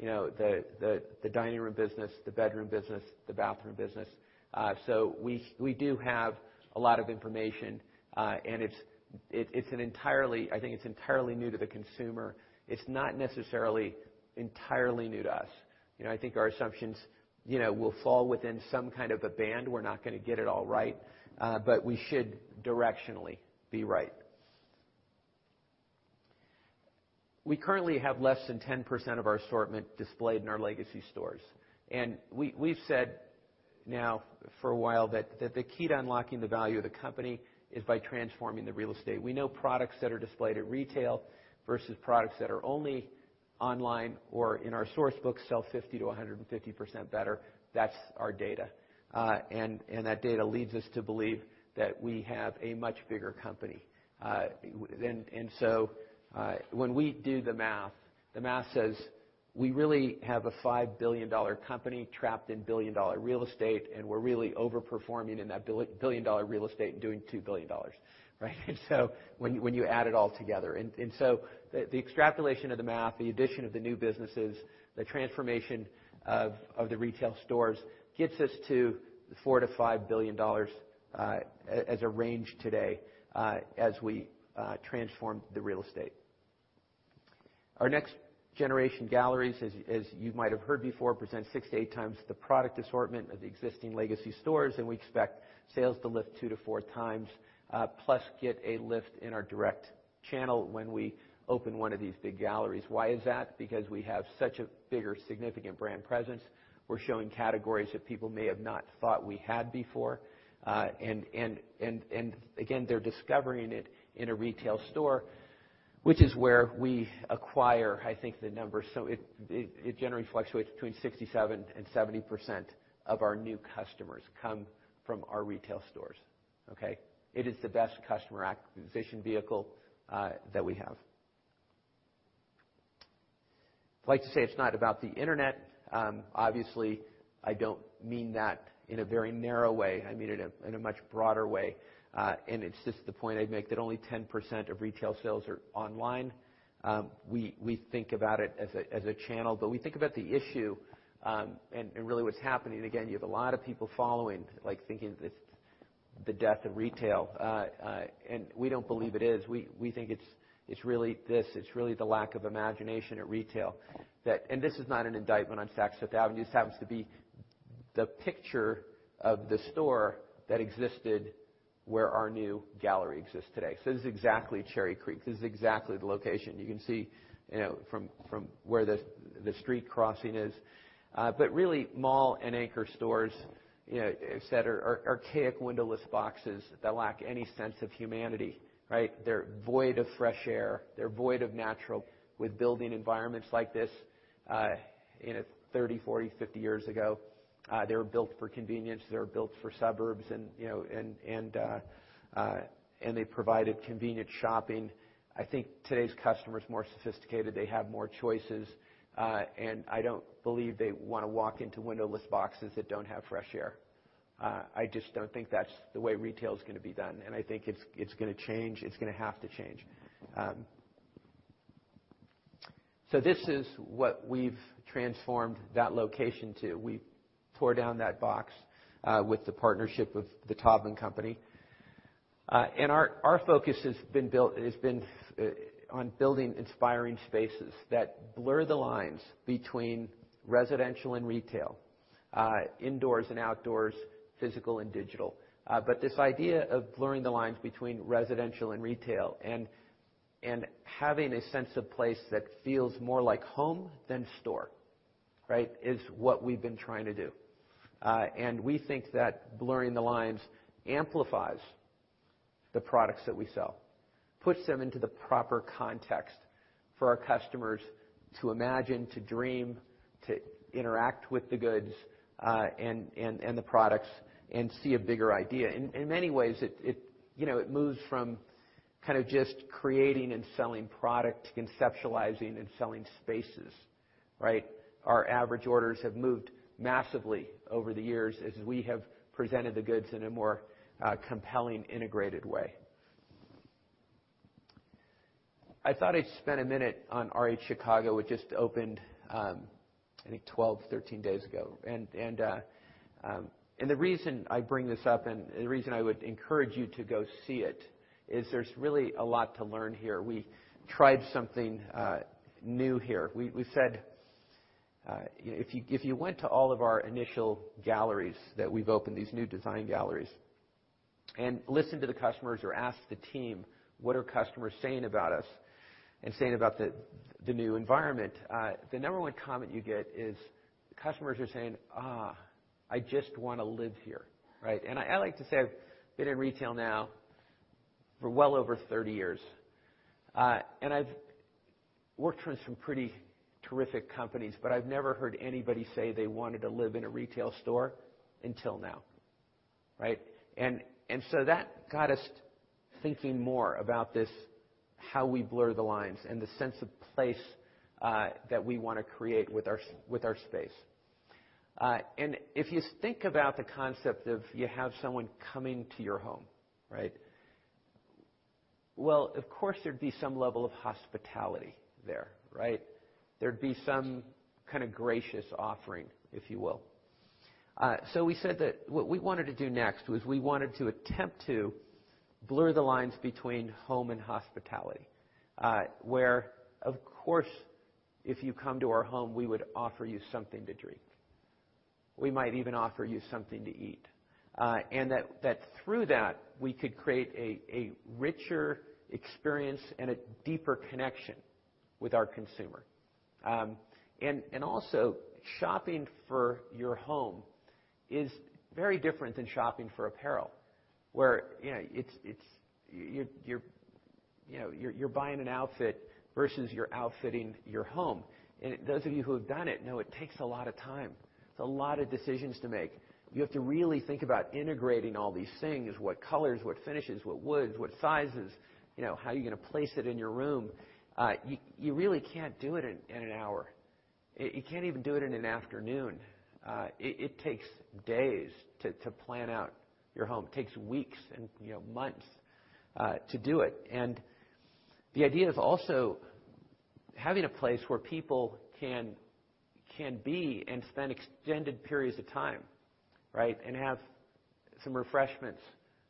the dining room business, the bedroom business, the bathroom business. We do have a lot of information. It's entirely new to the consumer. It's not necessarily entirely new to us. Our assumptions will fall within some kind of a band. We're not going to get it all right. We should directionally be right. We currently have less than 10% of our assortment displayed in our legacy stores. We've said now for a while that the key to unlocking the value of the company is by transforming the real estate. We know products that are displayed at retail versus products that are only online or in our source book sell 50%-150% better. That's our data. That data leads us to believe that we have a much bigger company. When we do the math, the math says we really have a $5 billion company trapped in billion-dollar real estate, and we're really over-performing in that billion-dollar real estate and doing $2 billion. Right? When you add it all together. The extrapolation of the math, the addition of the new businesses, the transformation of the retail stores gets us to the $4 billion to $5 billion as a range today, as we transform the real estate. Our next generation galleries, as you might have heard before, present six to eight times the product assortment of the existing legacy stores, and we expect sales to lift two to four times, plus get a lift in our direct channel when we open one of these big galleries. Why is that? Because we have such a bigger, significant brand presence. We're showing categories that people may have not thought we had before. They're discovering it in a retail store, which is where we acquire, I think, the numbers. It generally fluctuates between 67% and 70% of our new customers come from our retail stores, okay? It is the best customer acquisition vehicle that we have. I'd like to say it's not about the Internet. Obviously, I don't mean that in a very narrow way. I mean it in a much broader way. It's just the point I'd make that only 10% of retail sales are online. We think about it as a channel, but we think about the issue, and really what's happening. You have a lot of people following, like thinking it's the death of retail, and we don't believe it is. We think it's really this. It's really the lack of imagination at retail that. This is not an indictment on Saks Fifth Avenue. This happens to be the picture of the store that existed where our new gallery exists today. This is exactly Cherry Creek. This is exactly the location. You can see from where the street crossing is. Really mall and anchor stores, et cetera, are archaic windowless boxes that lack any sense of humanity, right? They're void of fresh air. They're void of natural With building environments like this, 30, 40, 50 years ago, they were built for convenience, they were built for suburbs, and they provided convenient shopping. Today's customer is more sophisticated, they have more choices, I don't believe they want to walk into windowless boxes that don't have fresh air. I just don't think that's the way retail is going to be done, and I think it's going to change. It's going to have to change. This is what we've transformed that location to. We tore down that box with the partnership of The Taubman Company. Our focus has been on building inspiring spaces that blur the lines between residential and retail, indoors and outdoors, physical and digital. This idea of blurring the lines between residential and retail and having a sense of place that feels more like home than store, right, is what we've been trying to do. We think that blurring the lines amplifies the products that we sell, puts them into the proper context for our customers to imagine, to dream, to interact with the goods and the products and see a bigger idea. In many ways, it moves from kind of just creating and selling product to conceptualizing and selling spaces, right? Our average orders have moved massively over the years as we have presented the goods in a more compelling, integrated way. I thought I'd spend a minute on RH Chicago. It just opened, I think, 12, 13 days ago. The reason I bring this up and the reason I would encourage you to go see it is there's really a lot to learn here. We tried something new here. We said if you went to all of our initial galleries that we've opened, these new design galleries, and listened to the customers or asked the team what are customers saying about us and saying about the new environment, the number one comment you get is customers are saying, "I just want to live here." Right? I like to say I've been in retail now for well over 30 years. I've worked for some pretty terrific companies, but I've never heard anybody say they wanted to live in a retail store until now. Right? That got us thinking more about this, how we blur the lines and the sense of place that we want to create with our space. If you think about the concept of you have someone coming to your home, right? Well, of course, there'd be some level of hospitality there, right? There'd be some kind of gracious offering, if you will. We said that what we wanted to do next was we wanted to attempt to blur the lines between home and hospitality, where, of course, if you come to our home, we would offer you something to drink. We might even offer you something to eat. That through that, we could create a richer experience and a deeper connection with our consumer. Also shopping for your home is very different than shopping for apparel, where you're buying an outfit versus you're outfitting your home. Those of you who have done it know it takes a lot of time. It's a lot of decisions to make. You have to really think about integrating all these things. What colors, what finishes, what woods, what sizes, how are you going to place it in your room? You really can't do it in an hour. You can't even do it in an afternoon. It takes days to plan out your home. It takes weeks and months to do it. The idea is also having a place where people can be and spend extended periods of time, right, have some refreshments.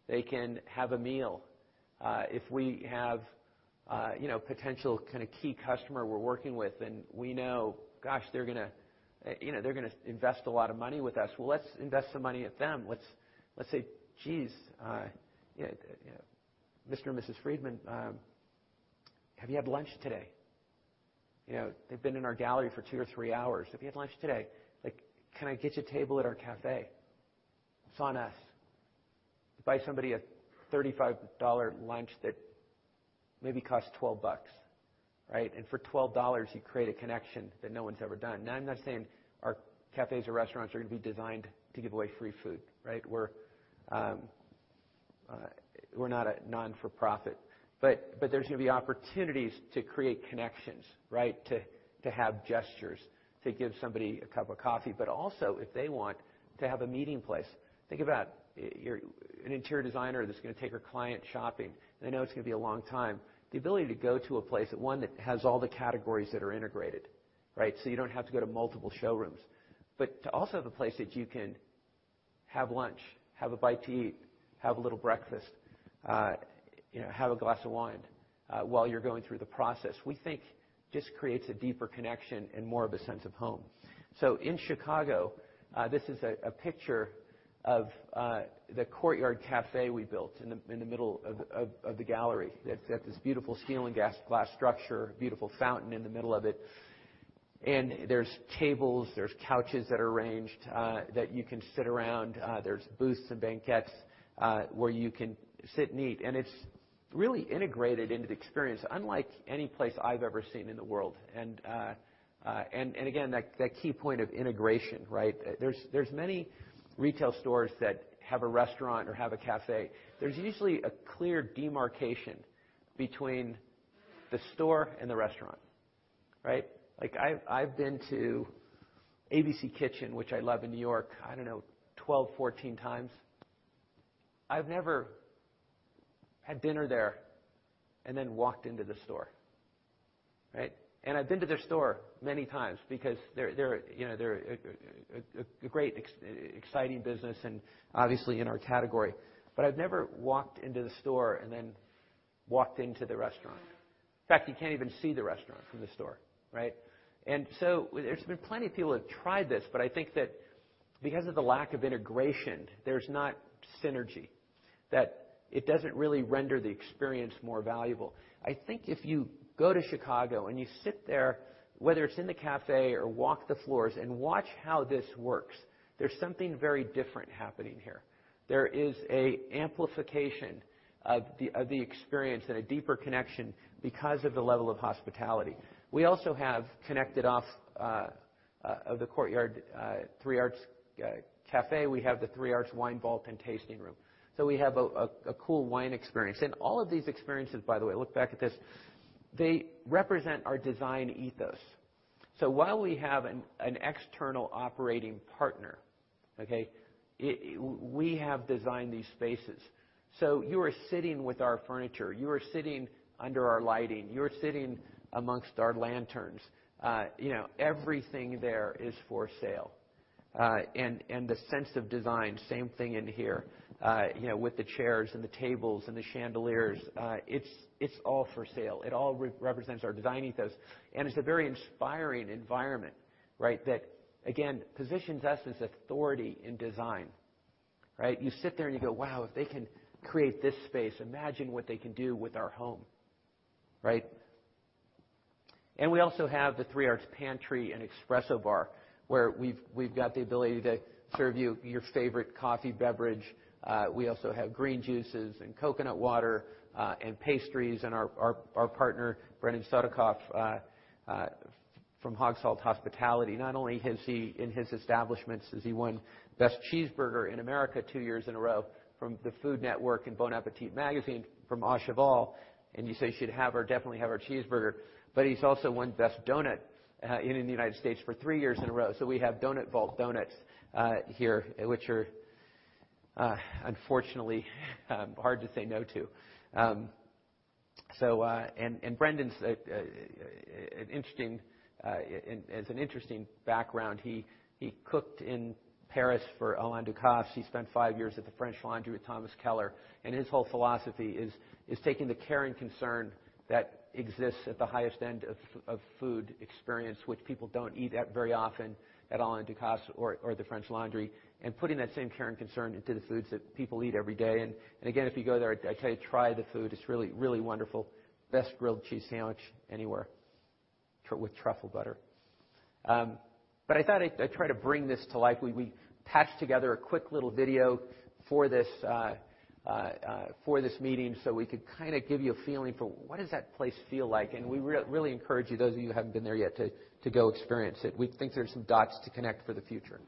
They can have a meal. If we have a potential kind of key customer we're working with and we know, gosh, they're going to invest a lot of money with us. Let's invest some money with them. Let's say, "Geez, Mr. and Mrs. Friedman, have you had lunch today?" They've been in our gallery for two or three hours. "Have you had lunch today? Can I get you a table at our cafe? It's on us." Buy somebody a $35 lunch that maybe costs $12, right? For $12, you create a connection that no one's ever done. Now, I'm not saying our cafes or restaurants are going to be designed to give away free food, right? We're not a not-for-profit. There's going to be opportunities to create connections, right? To have gestures. To give somebody a cup of coffee. Also, if they want to have a meeting place. Think about an interior designer that's going to take her client shopping. They know it's going to be a long time. The ability to go to a place, one that has all the categories that are integrated, right? You don't have to go to multiple showrooms. To also have a place that you can have lunch, have a bite to eat, have a little breakfast. Have a glass of wine while you're going through the process. We think this creates a deeper connection and more of a sense of home. In Chicago, this is a picture of the courtyard cafe we built in the middle of the gallery. It's got this beautiful steel and glass structure, beautiful fountain in the middle of it. There's tables, there's couches that are arranged that you can sit around. There's booths and banquettes where you can sit and eat. It's really integrated into the experience, unlike any place I've ever seen in the world. Again, that key point of integration, right? There's many retail stores that have a restaurant or have a cafe. There's usually a clear demarcation between the store and the restaurant, right? I've been to ABC Kitchen, which I love, in N.Y., I don't know, 12, 14 times. I've never had dinner there and then walked into the store. Right? I've been to their store many times because they're a great, exciting business and obviously in our category. I've never walked into the store and then walked into the restaurant. In fact, you can't even see the restaurant from the store, right? There's been plenty of people who have tried this, but I think that because of the lack of integration, there's not synergy, that it doesn't really render the experience more valuable. I think if you go to Chicago and you sit there, whether it's in the cafe or walk the floors and watch how this works, there's something very different happening here. There is an amplification of the experience and a deeper connection because of the level of hospitality. We also have connected off of the courtyard 3 Arts Cafe, we have the 3 Arts Wine Vault and Tasting Room. We have a cool wine experience. All of these experiences, by the way, look back at this, they represent our design ethos. While we have an external operating partner, we have designed these spaces. You are sitting with our furniture, you are sitting under our lighting, you are sitting amongst our lanterns. Everything there is for sale. The sense of design, same thing in here, with the chairs and the tables and the chandeliers. It's all for sale. It all represents our design ethos, and it's a very inspiring environment, right? That, again, positions us as authority in design, right? You sit there and you go, "Wow, if they can create this space, imagine what they can do with our home." We also have the 3 Arts Club Pantry & Espresso Bar, where we've got the ability to serve you your favorite coffee beverage. We also have green juices and coconut water and pastries. Our partner, Brendan Sodikoff, from Hogsalt Hospitality, not only in his establishments has he won best cheeseburger in America 2 years in a row from the Food Network and Bon Appétit magazine from Au Cheval, you definitely should have our cheeseburger, but he's also won best donut in the United States for 3 years in a row. We have Doughnut Vault donuts here, which are unfortunately hard to say no to. Brendan has an interesting background. He cooked in Paris for Alain Ducasse. He spent 5 years at The French Laundry with Thomas Keller. His whole philosophy is taking the care and concern that exists at the highest end of food experience, which people don't eat at very often at Alain Ducasse or The French Laundry, and putting that same care and concern into the foods that people eat every day. Again, if you go there, I tell you, try the food. It's really, really wonderful. Best grilled cheese sandwich anywhere with truffle butter. I thought I'd try to bring this to life. We patched together a quick little video for this meeting so we could kind of give you a feeling for what does that place feel like, we really encourage you, those of you who haven't been there yet, to go experience it. We think there's some dots to connect for the future.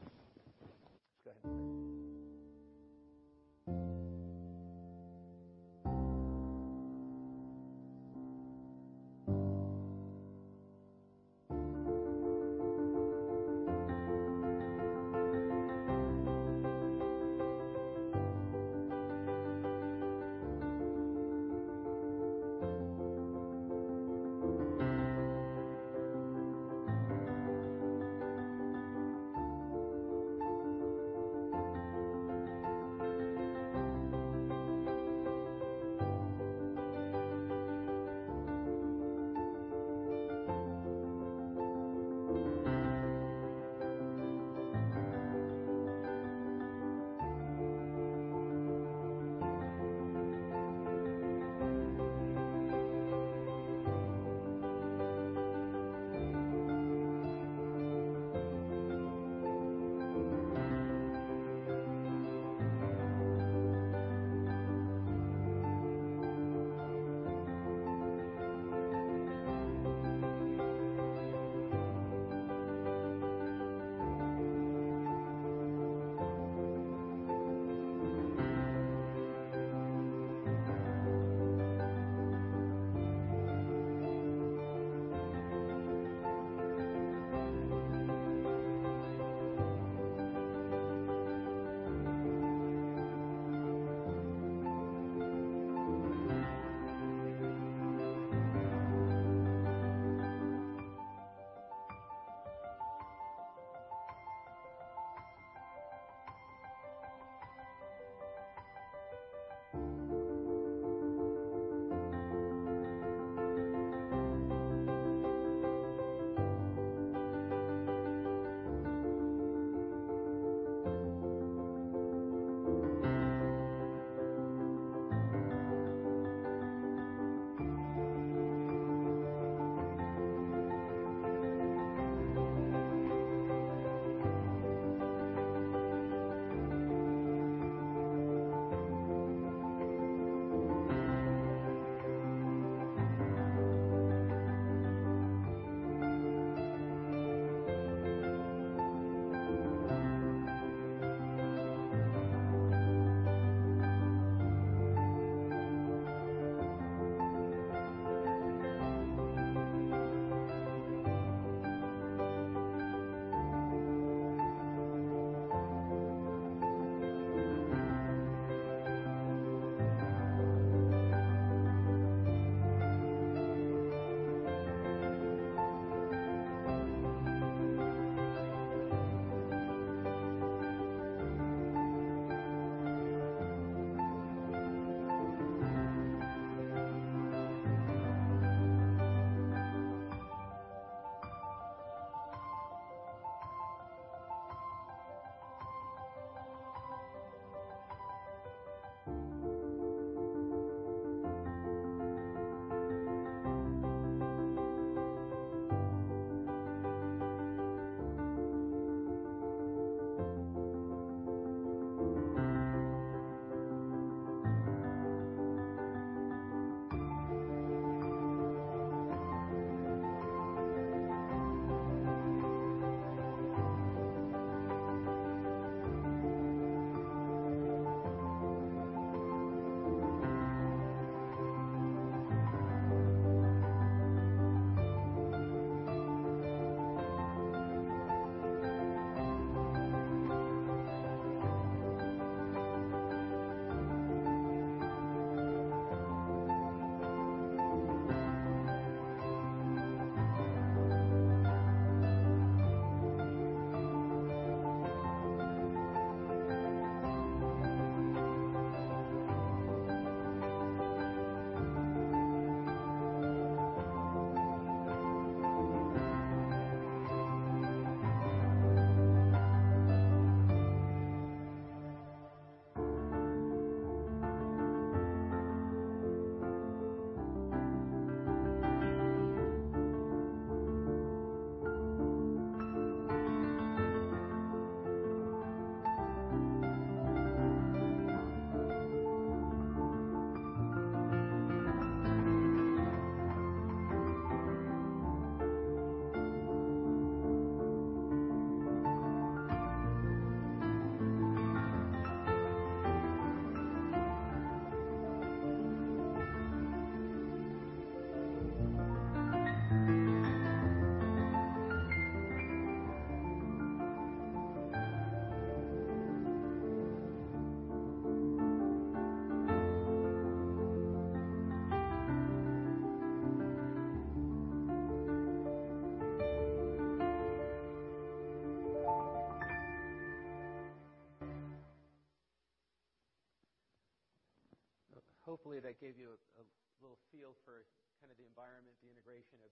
Go ahead. Hopefully, that gave you a little feel for the environment, the integration of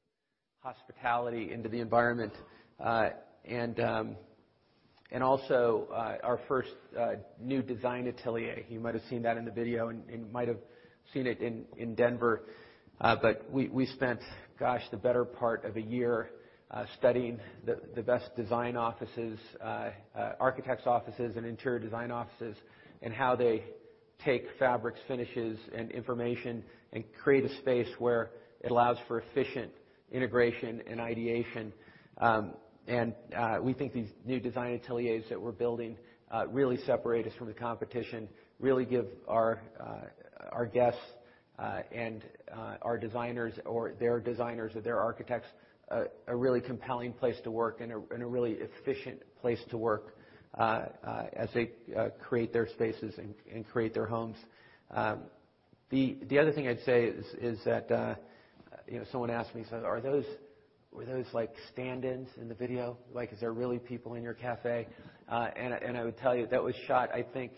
hospitality into the environment. Also our first new design atelier. You might have seen that in the video, and you might have seen it in Denver. We spent, gosh, the better part of a year studying the best design offices, architects' offices, and interior design offices, and how they take fabrics, finishes, and information and create a space where it allows for efficient integration and ideation. We think these new design ateliers that we're building really separate us from the competition, really give our guests and our designers, or their designers or their architects, a really compelling place to work and a really efficient place to work as they create their spaces and create their homes. The other thing I'd say is that someone asked me, "Were those stand-ins in the video? Is there really people in your cafe?" I would tell you that was shot, I think,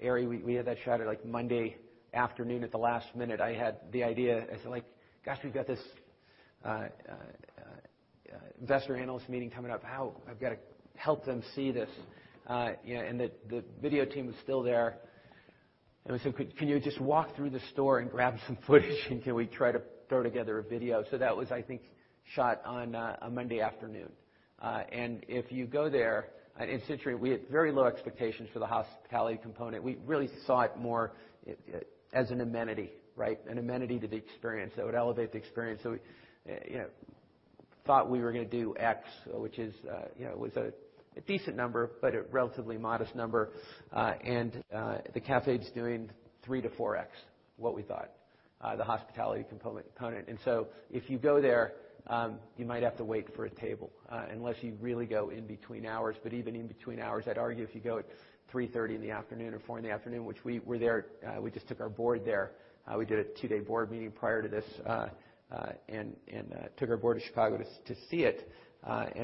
Eri, we had that shot at like Monday afternoon at the last minute. I had the idea. I said, "Gosh, we've got this investor analyst meeting coming up. How? I've got to help them see this." The video team was still there, and we said, "Can you just walk through the store and grab some footage until we try to throw together a video?" That was, I think, shot on a Monday afternoon. If you go there, in Centurion, we had very low expectations for the hospitality component. We really saw it more as an amenity. An amenity to the experience that would elevate the experience. We thought we were going to do X, which was a decent number, but a relatively modest number. The cafe's doing 3 to 4X what we thought the hospitality component. If you go there, you might have to wait for a table, unless you really go in between hours. Even in between hours, I'd argue if you go at noon-3:30 in the afternoon or 4:00 in the afternoon, which we were there. We just took our board there. We did a two-day board meeting prior to this and took our board to Chicago to see it.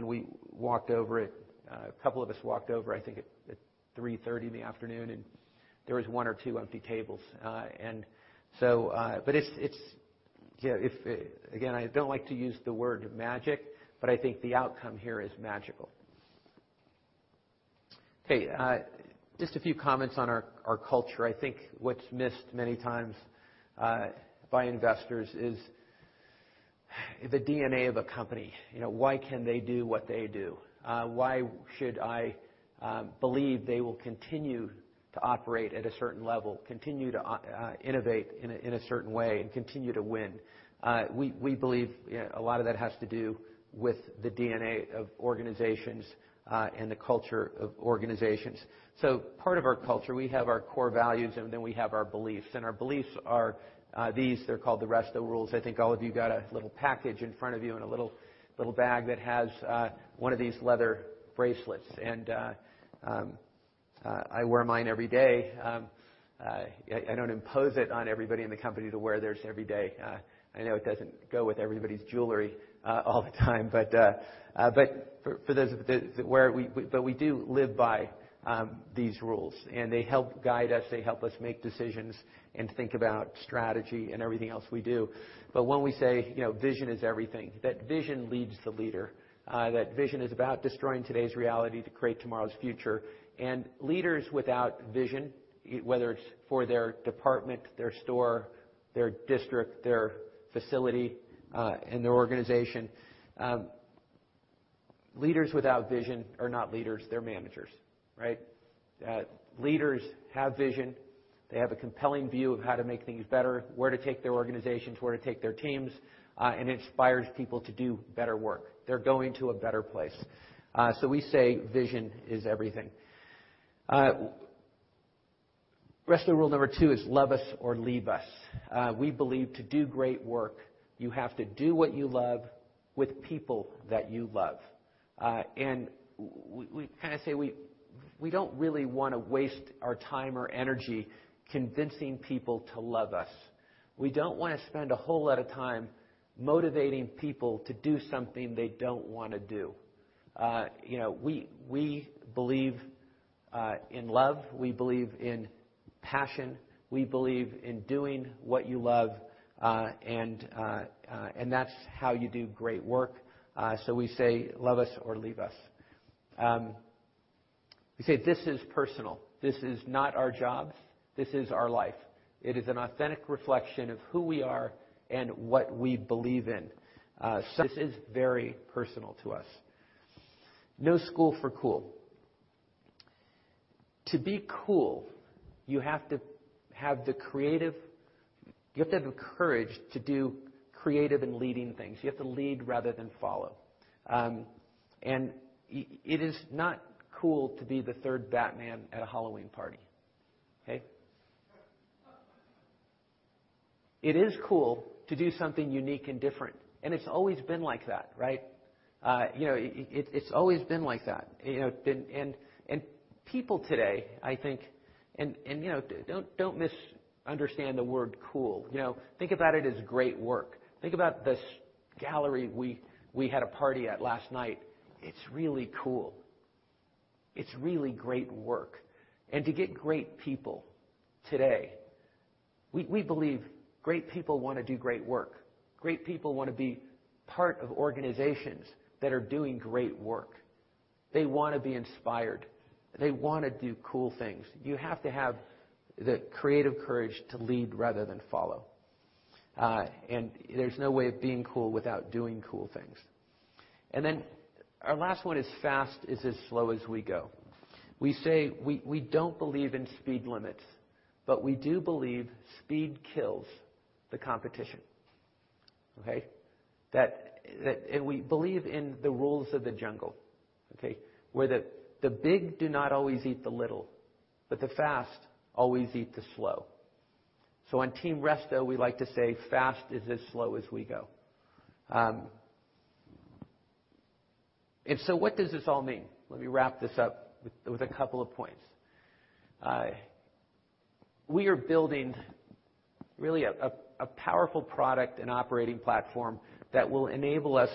We walked over. A couple of us walked over, I think, at 3:30 in the afternoon, and there was one or two empty tables. Again, I don't like to use the word magic, but I think the outcome here is magical. Okay. Just a few comments on our culture. I think what's missed many times by investors is the DNA of a company. Why can they do what they do? Why should I believe they will continue to operate at a certain level, continue to innovate in a certain way, and continue to win? We believe a lot of that has to do with the DNA of organizations and the culture of organizations. Part of our culture, we have our core values, and then we have our beliefs. Our beliefs are these. They're called the Resto Rules. I think all of you got a little package in front of you and a little bag that has one of these leather bracelets, and I wear mine every day. I don't impose it on everybody in the company to wear theirs every day. I know it doesn't go with everybody's jewelry all the time, we do live by these rules, and they help guide us. They help us make decisions and think about strategy and everything else we do. When we say vision is everything, that vision leads the leader, that vision is about destroying today's reality to create tomorrow's future. Leaders without vision, whether it's for their department, their store, their district, their facility, and their organization. Leaders without vision are not leaders, they're managers, right? Leaders have vision. They have a compelling view of how to make things better, where to take their organizations, where to take their teams, and inspires people to do better work. They're going to a better place. We say vision is everything. Resto Rule number 2 is love us or leave us. We believe to do great work, you have to do what you love with people that you love. We kind of say, we don't really want to waste our time or energy convincing people to love us. We don't want to spend a whole lot of time motivating people to do something they don't want to do. We believe in love. We believe in passion. We believe in doing what you love and that's how you do great work. We say love us or leave us. We say this is personal. This is not our job. This is our life. It is an authentic reflection of who we are and what we believe in. This is very personal to us. No school for cool. To be cool, you have to have the courage to do creative and leading things. You have to lead rather than follow. It is not cool to be the third Batman at a Halloween party. Okay. It is cool to do something unique and different, and it's always been like that, right? It's always been like that. People today, don't misunderstand the word cool. Think about it as great work. Think about this gallery we had a party at last night. It's really cool. It's really great work. To get great people today, we believe great people want to do great work. Great people want to be part of organizations that are doing great work. They want to be inspired. They want to do cool things. You have to have the creative courage to lead rather than follow. There's no way of being cool without doing cool things. Our last one is fast is as slow as we go. We say we don't believe in speed limits, but we do believe speed kills the competition. Okay. We believe in the rules of the jungle, okay. Where the big do not always eat the little, but the fast always eat the slow. On Team Resto, we like to say fast is as slow as we go. What does this all mean? Let me wrap this up with a couple of points. We are building really a powerful product and operating platform that will enable us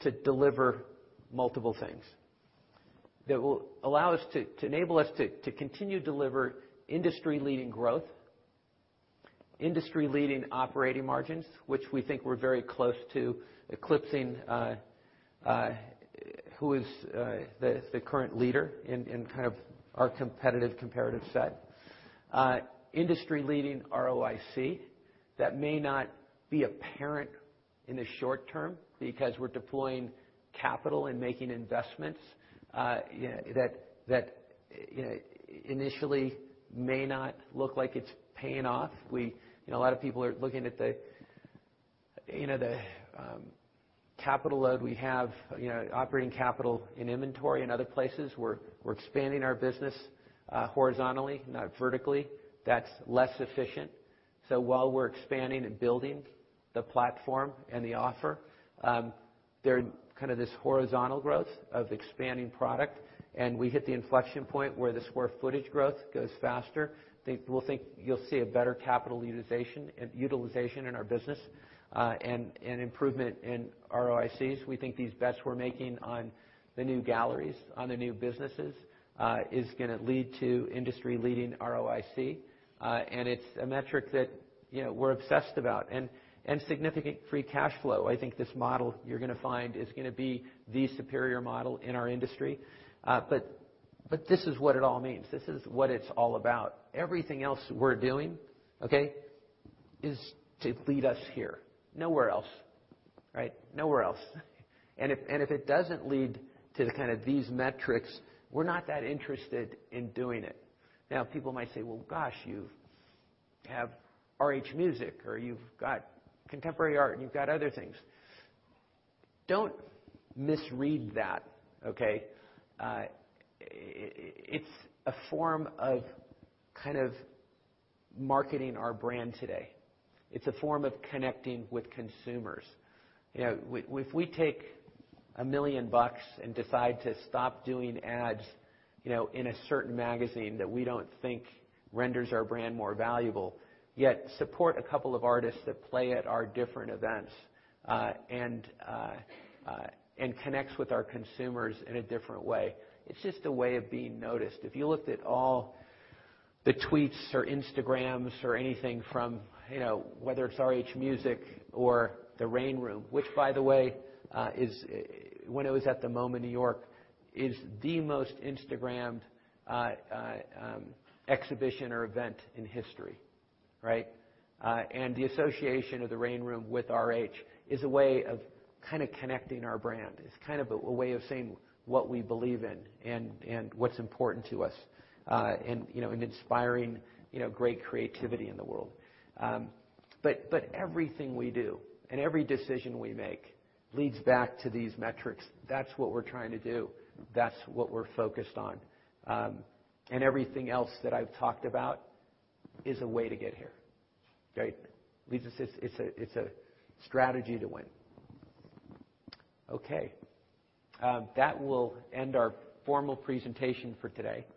to deliver multiple things. That will enable us to continue to deliver industry-leading growth, industry-leading operating margins, which we think we're very close to eclipsing who is the current leader in kind of our competitive comparative set. Industry-leading ROIC. That may not be apparent in the short term because we're deploying capital and making investments that initially may not look like it's paying off. A lot of people are looking at the capital load we have, operating capital in inventory, in other places. We're expanding our business horizontally, not vertically. That's less efficient. While we're expanding and building the platform and the offer, there's this horizontal growth of expanding product, and we hit the inflection point where the square footage growth goes faster. We'll think you'll see a better capital utilization in our business, and improvement in ROICs. We think these bets we're making on the new galleries, on the new businesses, is going to lead to industry-leading ROIC. It's a metric that we're obsessed about. Significant free cash flow. I think this model, you're going to find, is going to be the superior model in our industry. This is what it all means. This is what it's all about. Everything else we're doing, okay, is to lead us here. Nowhere else, right? Nowhere else. If it doesn't lead to these metrics, we're not that interested in doing it. Now, people might say, "Well, gosh, you have RH Music, or you've got contemporary art, and you've got other things." Don't misread that, okay. It's a form of marketing our brand today. It's a form of connecting with consumers. If we take $1 million and decide to stop doing ads in a certain magazine that we don't think renders our brand more valuable, yet support a couple of artists that play at our different events, and connects with our consumers in a different way, it's just a way of being noticed. If you looked at all the tweets or Instagrams or anything from, whether it's RH Music or the Rain Room, which, by the way, when it was at the MoMA in New York, is the most Instagrammed exhibition or event in history, right. The association of the Rain Room with RH is a way of connecting our brand. It's a way of saying what we believe in and what's important to us, and inspiring great creativity in the world. Everything we do and every decision we make leads back to these metrics. That's what we're trying to do. That's what we're focused on. Everything else that I've talked about is a way to get here. Okay. It's a strategy to win. Okay. That will end our formal presentation for today.